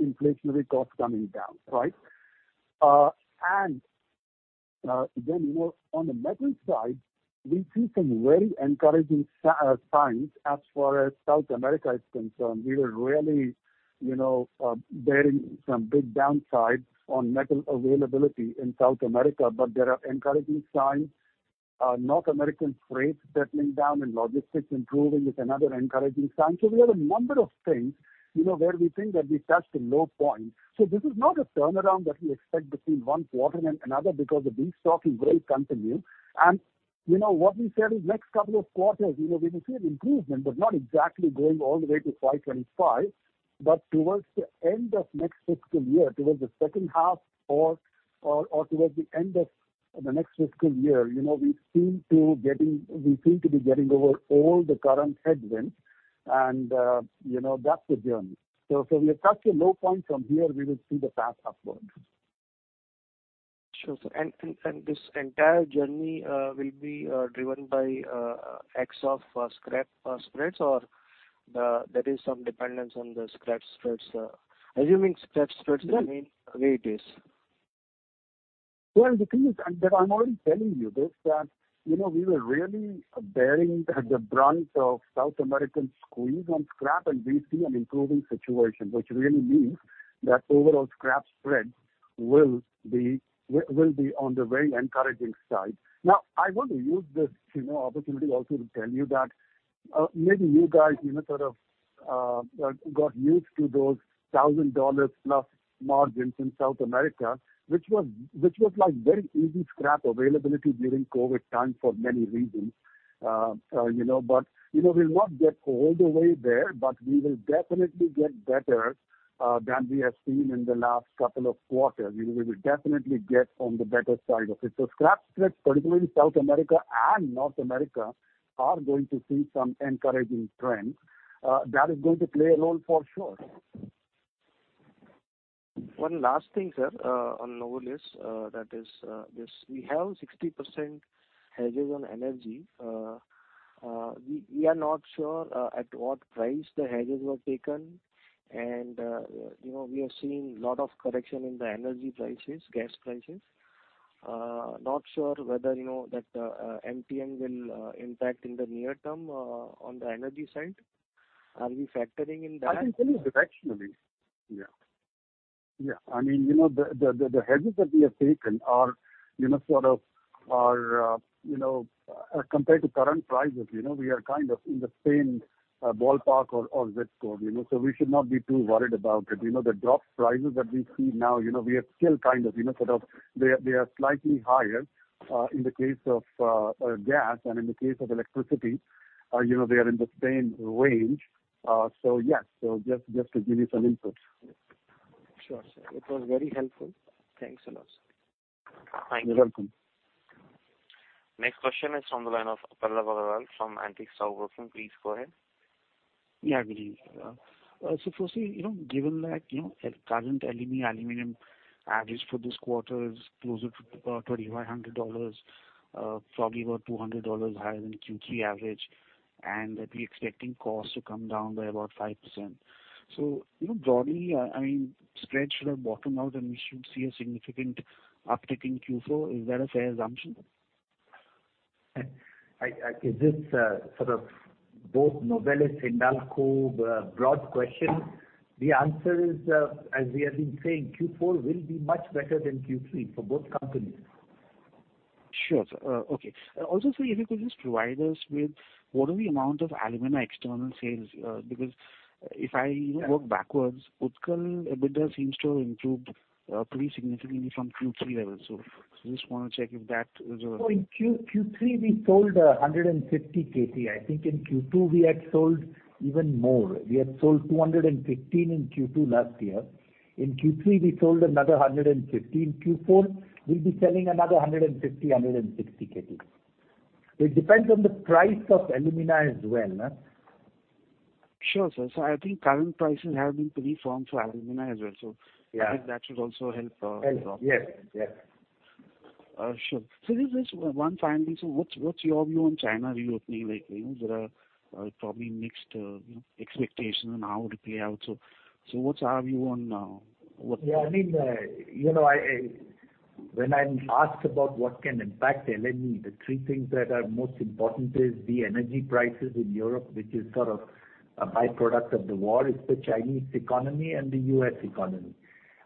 [SPEAKER 9] inflationary costs coming down, right? Then, you know, on the metal side, we see some very encouraging signs as far as South America is concerned. We were really, you know, bearing some big downsides on metal availability in South America, but there are encouraging signs. North American freight settling down and logistics improving is another encouraging sign. We have a number of things, you know, where we think that we've touched a low point. This is not a turnaround that we expect between one quarter and another because the destocking will continue. You know what we said is next couple of quarters, you know, we will see an improvement, but not exactly going all the way to 525. Towards the end of next fiscal year, towards the second half or towards the end of the next fiscal year, you know, we seem to be getting over all the current headwinds and, you know, that's the journey. We have touched a low point. From here we will see the path upwards.
[SPEAKER 12] Sure, sir. This entire journey will be driven by acts of scrap spreads or there is some dependence on the scrap spreads, assuming scrap spreads remain the way it is.
[SPEAKER 9] The thing is, that I'm already telling you this, that, you know, we were really bearing the brunt of South American squeeze on scrap. We see an improving situation, which really means that overall scrap spreads will be on the very encouraging side. I want to use this, you know, opportunity also to tell you that, maybe you guys, you know, sort of, got used to those $1,000 plus margins in South America, which was like very easy scrap availability during COVID time for many reasons. you know, but, you know, we'll not get all the way there, but we will definitely get better than we have seen in the last couple of quarters. You know, we will definitely get on the better side of it. Scrap spreads, particularly in South America and North America, are going to see some encouraging trends. That is going to play a role for sure.
[SPEAKER 12] One last thing, sir, on Novelis. That is, this. We have 60% hedges on energy. We are not sure at what price the hedges were taken. You know, we are seeing lot of correction in the energy prices, gas prices. Not sure whether you know that NPN will impact in the near term on the energy side. Are we factoring in that?
[SPEAKER 9] I can tell you directionally. Yeah. Yeah. I mean, you know, the, the hedges that we have taken are, you know, sort of are, you know, compared to current prices, you know, we are kind of in the same ballpark or zip code, you know, so we should not be too worried about it. You know, the drop prices that we see now, you know, we are still kind of, you know, sort of they are, they are slightly higher in the case of gas and in the case of electricity, you know, they are in the same range. yes. Just, just to give you some input.
[SPEAKER 12] Sure, sir. It was very helpful. Thanks a lot, sir.
[SPEAKER 9] You're welcome.
[SPEAKER 1] Next question is from the line of Pallav Agarwal from Antique Stock Broking Limited. Please go ahead.
[SPEAKER 13] Yeah. Good evening. firstly, you know, given that, you know, current alumina aluminum average for this quarter is closer to $3,500, probably about $200 higher than Q3 average, and that we're expecting costs to come down by about 5%. you know, broadly, I mean, spreads should have bottomed out, and we should see a significant uptick in Q4. Is that a fair assumption?
[SPEAKER 3] I. Is this sort of both Novelis and Alcoa broad question? The answer is, as we have been saying, Q4 will be much better than Q3 for both companies.
[SPEAKER 13] Sure, sir. Okay. Also, sir, if you could just provide us with what are the amount of alumina external sales? Because if I, you know, work backwards, Utkal EBITDA seems to have improved pretty significantly from Q3 levels. Just want to check if that is.
[SPEAKER 3] In Q3 we sold 150 KT. I think in Q2 we had sold even more. We had sold 215 in Q2 last year. In Q3 we sold another 115. Q4 we'll be selling another 150-160 KT. It depends on the price of alumina as well, huh.
[SPEAKER 13] Sure, sir. I think current prices have been pretty firm, so alumina as well.
[SPEAKER 3] Yeah.
[SPEAKER 13] I think that should also help.
[SPEAKER 3] Help. Yes. Yeah.
[SPEAKER 13] Sure. Just one final thing, sir. What's your view on China reopening? Like, you know, there are probably mixed, you know, expectations on how it will play out. What's our view on?
[SPEAKER 3] Yeah, I mean, you know, when I'm asked about what can impact LME, the three things that are most important is the energy prices in Europe, which is sort of a by-product of the war. It's the Chinese economy and the U.S. economy.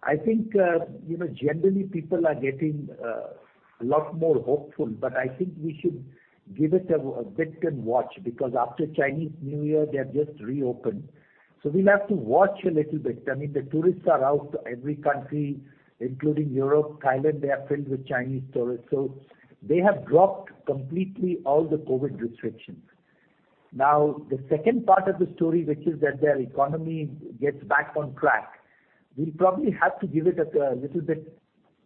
[SPEAKER 3] I think, you know, generally people are getting a lot more hopeful, but I think we should give it a bit and watch because after Chinese New Year they have just reopened. We'll have to watch a little bit. I mean, the tourists are out to every country, including Europe. Thailand, they are filled with Chinese tourists. They have dropped completely all the COVID restrictions. The second part of the story, which is that their economy gets back on track, we'll probably have to give it a little bit,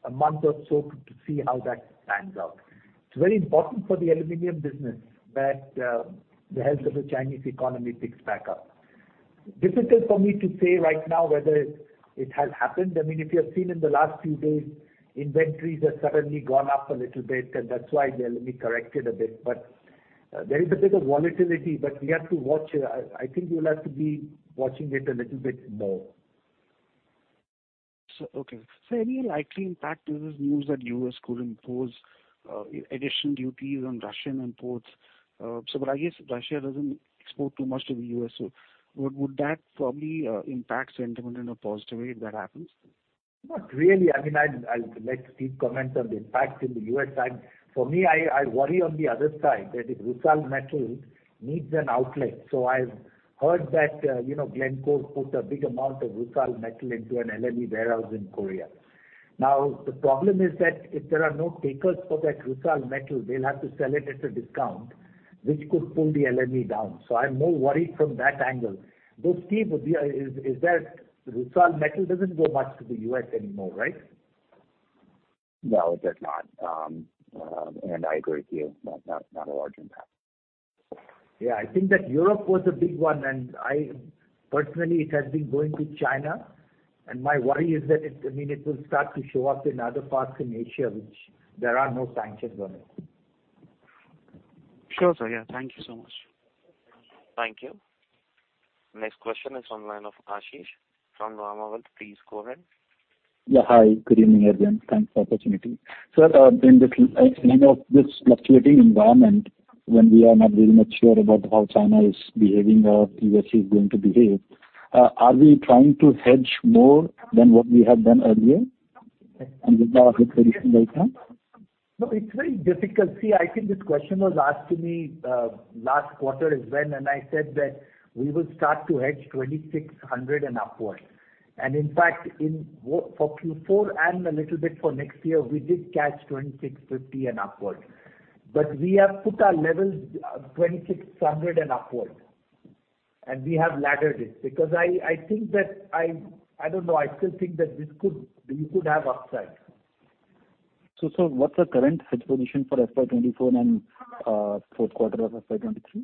[SPEAKER 3] a month or so to see how that pans out. It's very important for the aluminum business that the health of the Chinese economy picks back up. Difficult for me to say right now whether it has happened. I mean, if you have seen in the last few days, inventories have suddenly gone up a little bit, and that's why the LME corrected a bit. There is a bit of volatility, but we have to watch. I think we will have to be watching it a little bit more.
[SPEAKER 13] Okay. Any likely impact to this news that U.S. could impose additional duties on Russian imports? But I guess Russia doesn't export too much to the U.S., would that probably impact sentiment in a positive way if that happens?
[SPEAKER 3] Not really. I mean, I'll let Steve comment on the impacts in the U.S. For me, I worry on the other side that if RUSAL metal needs an outlet. I've heard that, you know, Glencore put a big amount of RUSAL metal into an LME warehouse in Korea. The problem is that if there are no takers for that RUSAL metal, they'll have to sell it at a discount, which could pull the LME down. I'm more worried from that angle. Steve, is that RUSAL metal doesn't go much to the U.S. anymore, right?
[SPEAKER 5] No, it does not. I agree with you, not a large impact.
[SPEAKER 3] Yeah. I think that Europe was a big one. Personally, it has been going to China, and my worry is that it, I mean, it will start to show up in other parts in Asia which there are no sanctions on it.
[SPEAKER 13] Sure, sir. Yeah. Thank you so much.
[SPEAKER 1] Thank you. Next question is on line of Ashish from Nuvama Wealth. Please go ahead.
[SPEAKER 14] Yeah. Hi. Good evening, everyone. Thanks for the opportunity. Sir, in this, you know, this fluctuating environment when we are not very much sure about how China is behaving or US is going to behave, are we trying to hedge more than what we have done earlier? With our hedge position right now?
[SPEAKER 3] No, it's very difficult. See, I think this question was asked to me, last quarter as well. I said that we will start to hedge $2,600 and upward. In fact, for Q4 and a little bit for next year, we did catch $2,650 and upward. We have put our levels, $2,600 and upward. We have laddered it because I think that I don't know, I still think that this could, we could have upside.
[SPEAKER 14] sir, what's the current hedge position for FY 2024 and 4th quarter of FY 2023?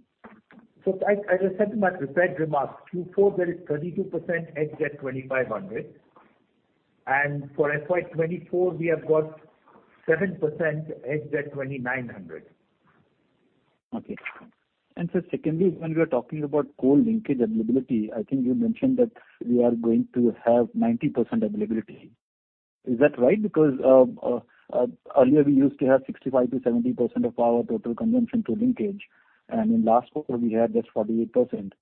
[SPEAKER 3] I just said in my prepared remarks. Q4 there is 32% hedged at $2,500, and for FY 2024 we have got 7% hedged at $2,900.
[SPEAKER 14] Okay. Sir, secondly, when we are talking about coal linkage availability, I think you mentioned that we are going to have 90% availability. Is that right? Because earlier we used to have 65%-70% of our total consumption to linkage, and in last quarter we had just 48%.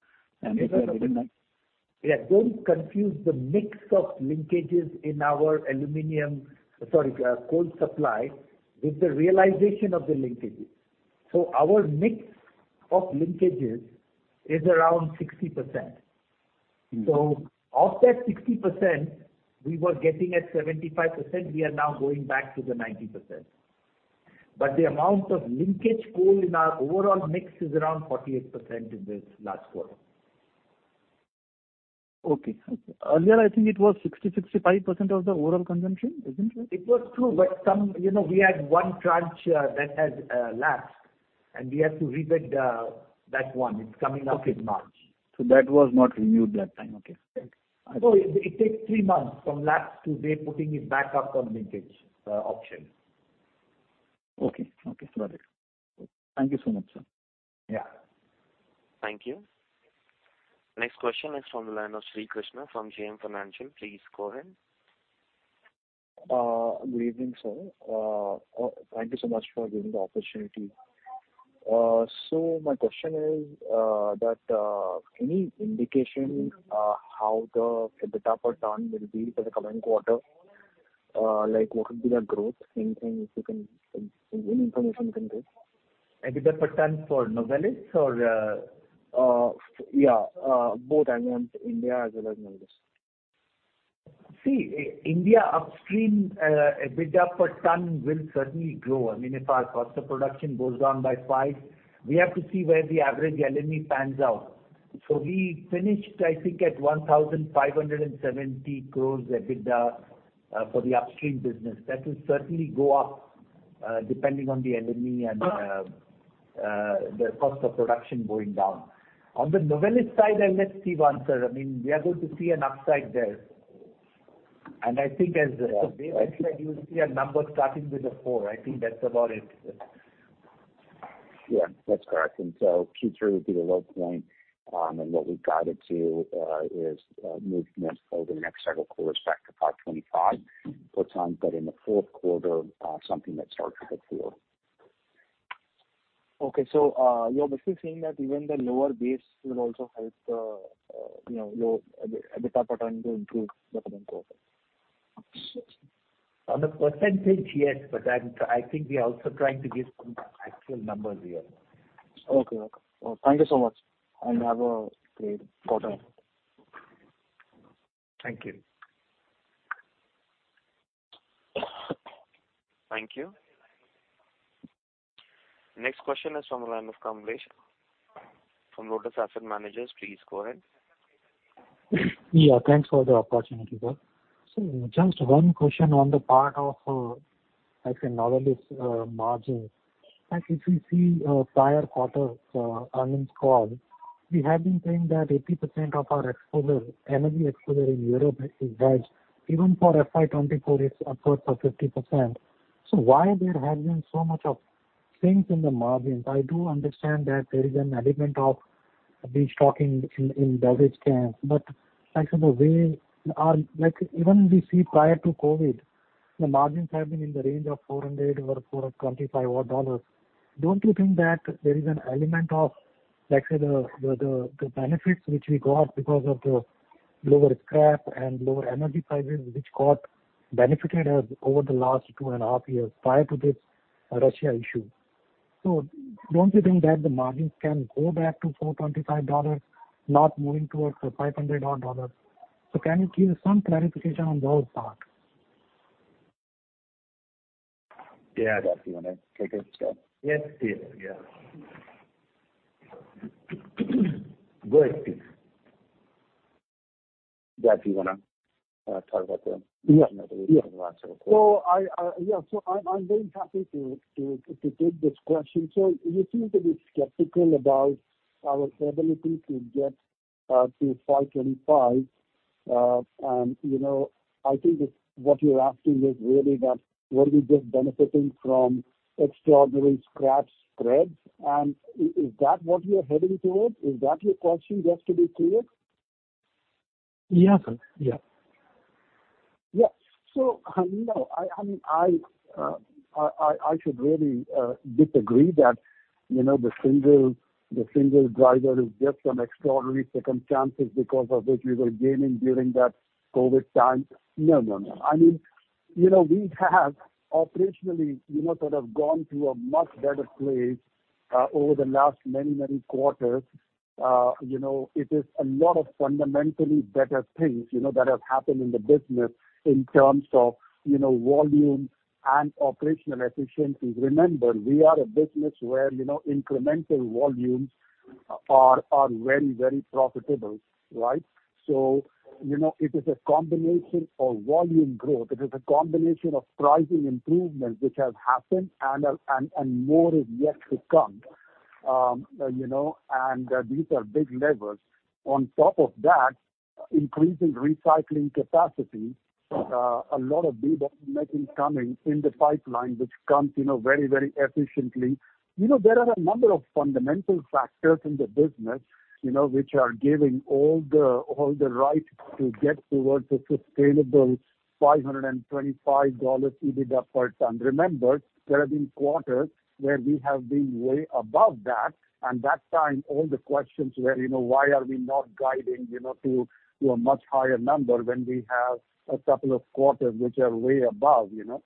[SPEAKER 14] If I remember-
[SPEAKER 3] Yeah. Don't confuse the mix of linkages in our coal supply with the realization of the linkages. Our mix of linkages is around 60%.
[SPEAKER 14] Mm-hmm.
[SPEAKER 3] Of that 60%, we were getting at 75%, we are now going back to the 90%. The amount of linkage coal in our overall mix is around 48% in this last quarter.
[SPEAKER 14] Okay. Okay. Earlier I think it was 60, 65% of the overall consumption, isn't it?
[SPEAKER 3] It was true, but some, you know, we had one tranche that has lapsed, and we have to rebid that 1. It's coming up in March.
[SPEAKER 14] Okay. That was not renewed that time. Okay.
[SPEAKER 3] No. It takes three months from lapse to re-putting it back up on linkage option.
[SPEAKER 14] Okay. Okay. Got it. Thank you so much, sir.
[SPEAKER 3] Yeah.
[SPEAKER 1] Thank you. Next question is from the line of Srikrishna from JM Financial. Please go ahead.
[SPEAKER 15] Good evening, sir. Thank you so much for giving the opportunity. My question is that any indication how the EBITDA per ton will be for the coming quarter? Like, what would be the growth? Anything if you can, any information you can give.
[SPEAKER 3] EBITDA per ton for Novelis or,
[SPEAKER 15] Yeah, both. I mean, India as well as Novelis.
[SPEAKER 3] India upstream EBITDA per ton will certainly grow. I mean, if our cost of production goes down by 5, we have to see where the average LME pans out. We finished, I think, at 1,570 crores EBITDA for the upstream business. That will certainly go up depending on the LME and the cost of production going down. On the Novelis side, I'll let Steve answer. I mean, we are going to see an upside there. I think as Dev explained, you will see a number starting with a four. I think that's about it.
[SPEAKER 5] Yeah, that's correct. Q3 would be the low point, and what we've guided to is movement over the next several quarters back to $525 per ton, but in the fourth quarter, something that starts to hit four.
[SPEAKER 15] You're basically saying that even the lower base will also help the, you know, your EBITDA pattern to improve in the current quarter?
[SPEAKER 3] On the percentage, yes. I think we are also trying to give some actual numbers here.
[SPEAKER 15] Okay. Well, thank you so much, and have a great quarter.
[SPEAKER 3] Thank you.
[SPEAKER 1] Thank you. Next question is from the line of Kamlesh from Lotus Asset Managers. Please go ahead.
[SPEAKER 16] Yeah, thanks for the opportunity, sir. Just one question on the part of, I think, Novelis margins. Like, if you see, prior quarter's earnings call, we have been saying that 80% of our exposure, energy exposure in Europe is hedged. Even for FY 2024, it's upwards of 50%. Why there has been so much of sync in the margins? I do understand that there is an element of destocking in beverage cans. Like I said, Like, even we see prior to COVID, the margins have been in the range of $400-$425 odd dollars. Don't you think that there is an element of, like, say, the benefits which we got because of the lower scrap and lower energy prices which got benefited us over the last two and a half years prior to this Russia issue? Don't you think that the margins can go back to $425, not moving towards the $500 odd? Can you give some clarification on those parts?
[SPEAKER 5] Yeah. Dev, you wanna take a shot?
[SPEAKER 9] Yes, please. Yeah. Go ahead, please.
[SPEAKER 5] Dev, you wanna talk about...
[SPEAKER 9] Yeah.
[SPEAKER 5] -margins?
[SPEAKER 9] Yeah. I'm very happy to take this question. You seem to be skeptical about our ability to get to 525. You know, I think what you're asking is really that were we just benefiting from extraordinary scrap spreads? Is that what we are heading towards? Is that your question, just to be clear?
[SPEAKER 16] Yes, sir. Yeah. Yeah. you know, I mean, I should really disagree that, you know, the single driver is just on extraordinary circumstances because of which we were gaining during that COVID time. No, no. I mean, you know, we have operationally, you know, sort of gone to a much better place over the last many, many quarters. you know, it is a lot of fundamentally better things, you know, that have happened in the business in terms of, you know, volume and operational efficiencies. Remember, we are a business where, you know, incremental volumes are very, very profitable, right? you know, it is a combination of volume growth. It is a combination of pricing improvements which have happened and more is yet to come. you know, these are big levers.
[SPEAKER 9] On top of that, increasing recycling capacity, a lot of debottlenecking coming in the pipeline, which comes, you know, very, very efficiently. You know, there are a number of fundamental factors in the business, you know, which are giving all the right to get towards a sustainable $525 EBITDA per ton. Remember, there have been quarters where we have been way above that, and that time all the questions were, you know, why are we not guiding, you know, to a much higher number when we have a couple of quarters which are way above, you know?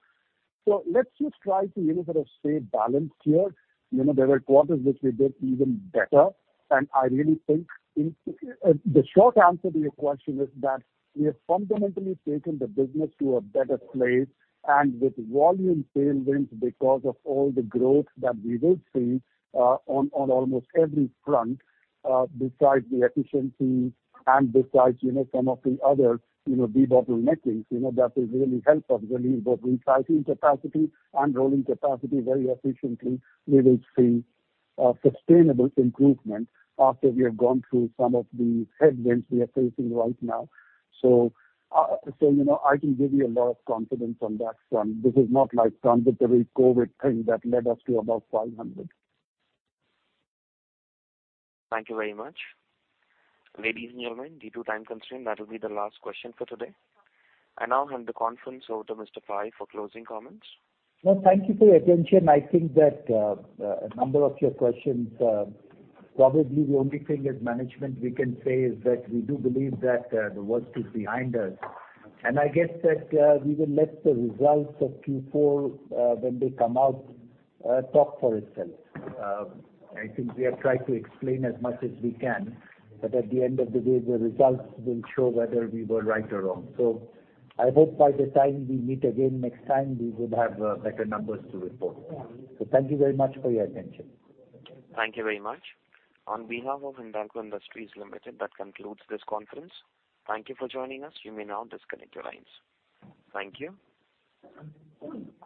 [SPEAKER 9] Let's just try to, you know, sort of stay balanced here. You know, there were quarters which we did even better. I really think in... The short answer to your question is that we have fundamentally taken the business to a better place. With volume tailwinds, because of all the growth that we will see, on almost every front, besides the efficiencies and besides, you know, some of the other, you know, debottlenecking, you know, that will really help us really build recycling capacity and rolling capacity very efficiently. We will see sustainable improvement after we have gone through some of the headwinds we are facing right now. I can give you a lot of confidence on that front. This is not like transitory COVID thing that led us to above 500.
[SPEAKER 1] Thank you very much. Ladies and gentlemen, due to time constraint, that will be the last question for today. I now hand the conference over to Mr. Pai for closing comments.
[SPEAKER 3] No, thank you for your attention. I think that a number of your questions, probably the only thing as management we can say is that we do believe that the worst is behind us. I guess that we will let the results of Q4 when they come out talk for itself. I think we have tried to explain as much as we can, but at the end of the day, the results will show whether we were right or wrong. I hope by the time we meet again next time we would have better numbers to report. Thank you very much for your attention.
[SPEAKER 1] Thank you very much. On behalf of Hindalco Industries Limited, that concludes this conference. Thank you for joining us. You may now disconnect your lines. Thank you.